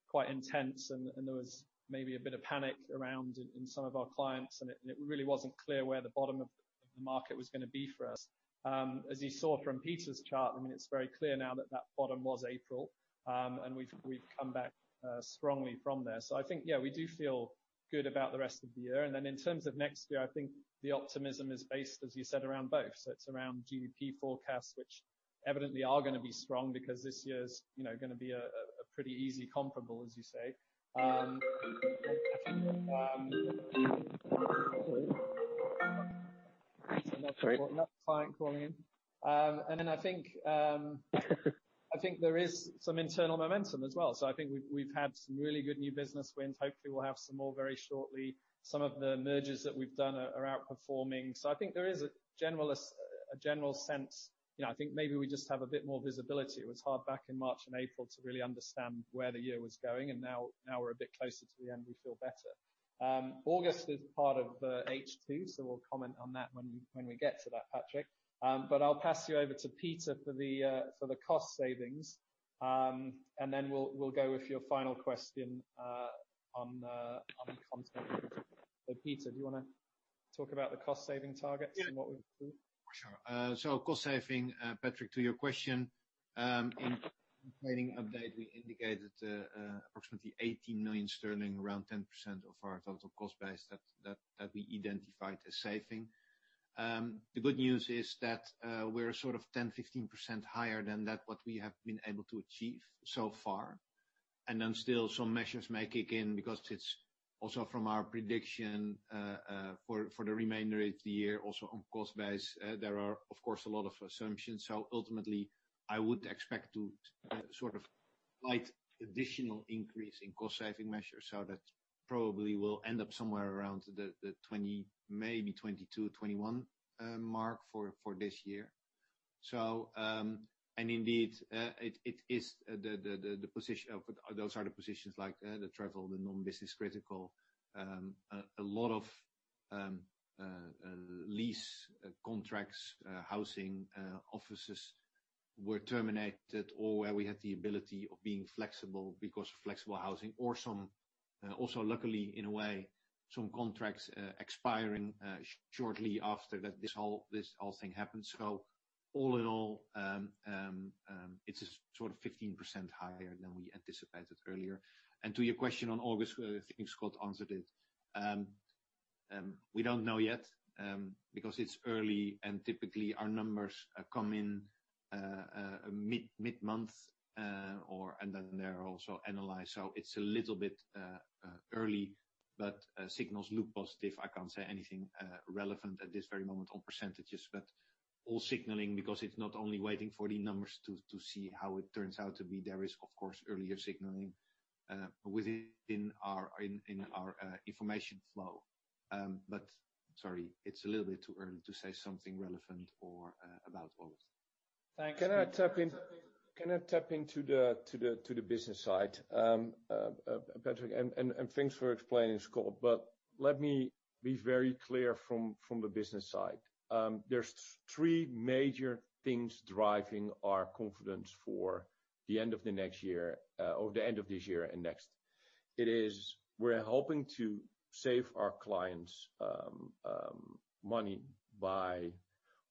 quite intense and there was maybe a bit of panic around in some of our clients, and it really wasn't clear where the bottom of the market was going to be for us. As you saw from Peter's chart, it's very clear now that that bottom was April, and we've come back strongly from there. I think, yeah, we do feel good about the rest of the year. In terms of next year, I think the optimism is based, as you said, around both. It's around GDP forecasts, which evidently are going to be strong because this year's going to be a pretty easy comparable, as you say. I think there is some internal momentum as well. I think we've had some really good new business wins. Hopefully, we'll have some more very shortly. Some of the mergers that we've done are outperforming. I think there is a general sense, I think maybe we just have a bit more visibility. It was hard back in March and April to really understand where the year was going, and now we're a bit closer to the end, we feel better. August is part of H2, so we'll comment on that when we get to that, Patrick Wellington. I'll pass you over to Peter Rademaker for the cost savings, and then we'll go with your final question on the content. Peter, do you want to talk about the cost-saving targets and what we've seen? Sure. Cost saving, Patrick Wellington, to your question. In planning update, we indicated approximately 18 million sterling, around 10% of our total cost base that we identified as saving. The good news is that we're sort of 10%, 15% higher than that what we have been able to achieve so far. Still some measures may kick in because it's also from our prediction for the remainder of the year also on cost base. There are, of course, a lot of assumptions. Ultimately, I would expect to sort of slight additional increase in cost saving measures so that probably will end up somewhere around the 20, maybe 22, 21 mark for this year. Indeed, those are the positions like the travel, the non-business critical. A lot of lease contracts, housing, offices were terminated, or where we had the ability of being flexible because flexible housing or some, also luckily in a way, some contracts expiring shortly after this whole thing happened. All in all, it's sort of 15% higher than we anticipated earlier. To your question on August, I think Scott Spirit answered it. We don't know yet, because it's early and typically our numbers come in mid-month, and then they're also analyzed. It's a little bit early, but signals look positive. I can't say anything relevant at this very moment on percentages, but all signaling, because it's not only waiting for the numbers to see how it turns out to be. There is, of course, earlier signaling within our information flow. Sorry, it's a little bit too early to say something relevant or about August. Thanks. Can I tap into the business side, Patrick Wellington? Thanks for explaining, Scott Spirit. Let me be very clear from the business side. There's three major things driving our confidence for the end of this year and next. It is, we're helping to save our clients money by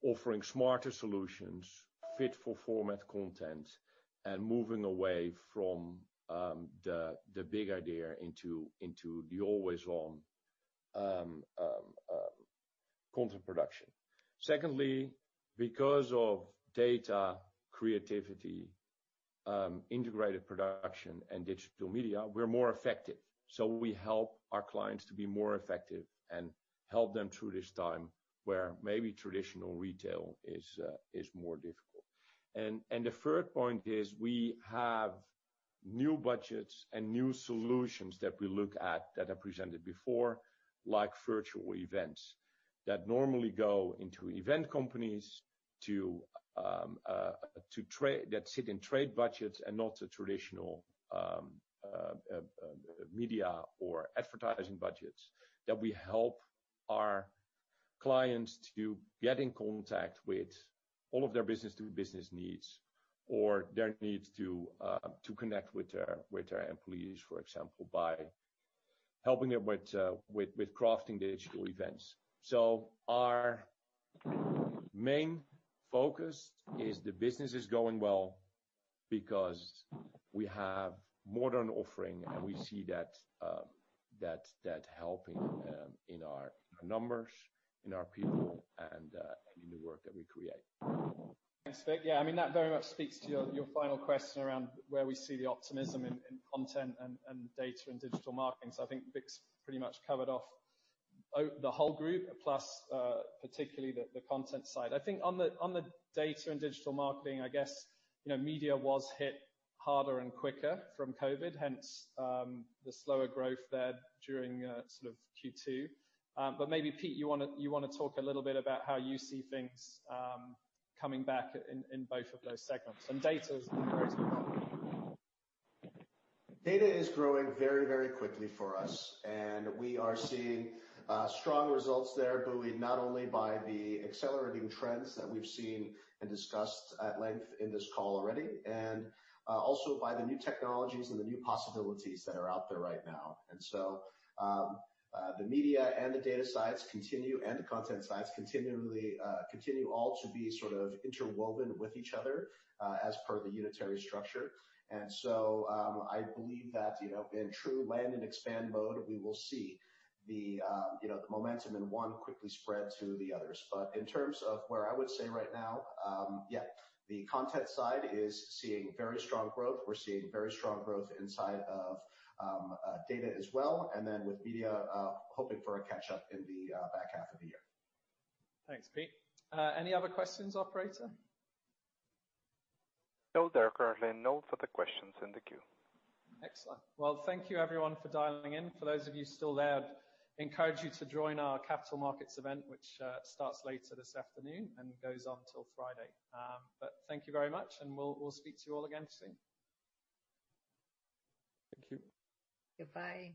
offering smarter solutions, fit for format content, and moving away from the big idea into the always-on content production. Secondly, because of data creativity, integrated production, and digital media, we're more effective. We help our clients to be more effective and help them through this time where maybe traditional retail is more difficult. The third point is we have new budgets and new solutions that we look at that I presented before, like virtual events that normally go into event companies, that sit in trade budgets and not the traditional media or advertising budgets that we help our clients to get in contact with all of their business to business needs or their needs to connect with their employees, for example, by helping them with crafting digital events. Our main focus is the business is going well because we have more than offering, and we see that helping in our numbers, in our people, and in the work that we create. Thanks, Victor Knaap. Yeah, that very much speaks to your final question around where we see the optimism in content and data and digital marketing. I think Vic's pretty much covered off the whole group plus, particularly the content side. I think on the data and digital marketing, I guess, media was hit harder and quicker from COVID-19, hence the slower growth there during Q2. Maybe, Peter Kim, you want to talk a little bit about how you see things coming back in both of those segments. Data is growing very quickly. Data is growing very, very quickly for us, and we are seeing strong results there, buoyed not only by the accelerating trends that we've seen and discussed at length in this call already, and also by the new technologies and the new possibilities that are out there right now. The media and the data sides continue, and the content sides continue all to be sort of interwoven with each other, as per the unitary structure. I believe that in true land and expand mode, we will see the momentum in one quickly spread to the others. In terms of where I would say right now, yeah, the content side is seeing very strong growth. We're seeing very strong growth inside of data as well, with media, hoping for a catch-up in the back half of the year. Thanks, Peter Kim. Any other questions, operator? No, there are currently no further questions in the queue. Thank you everyone for dialing in. For those of you still there, I'd encourage you to join our capital markets event, which starts later this afternoon and goes on till Friday. Thank you very much and we'll speak to you all again soon. Thank you. Goodbye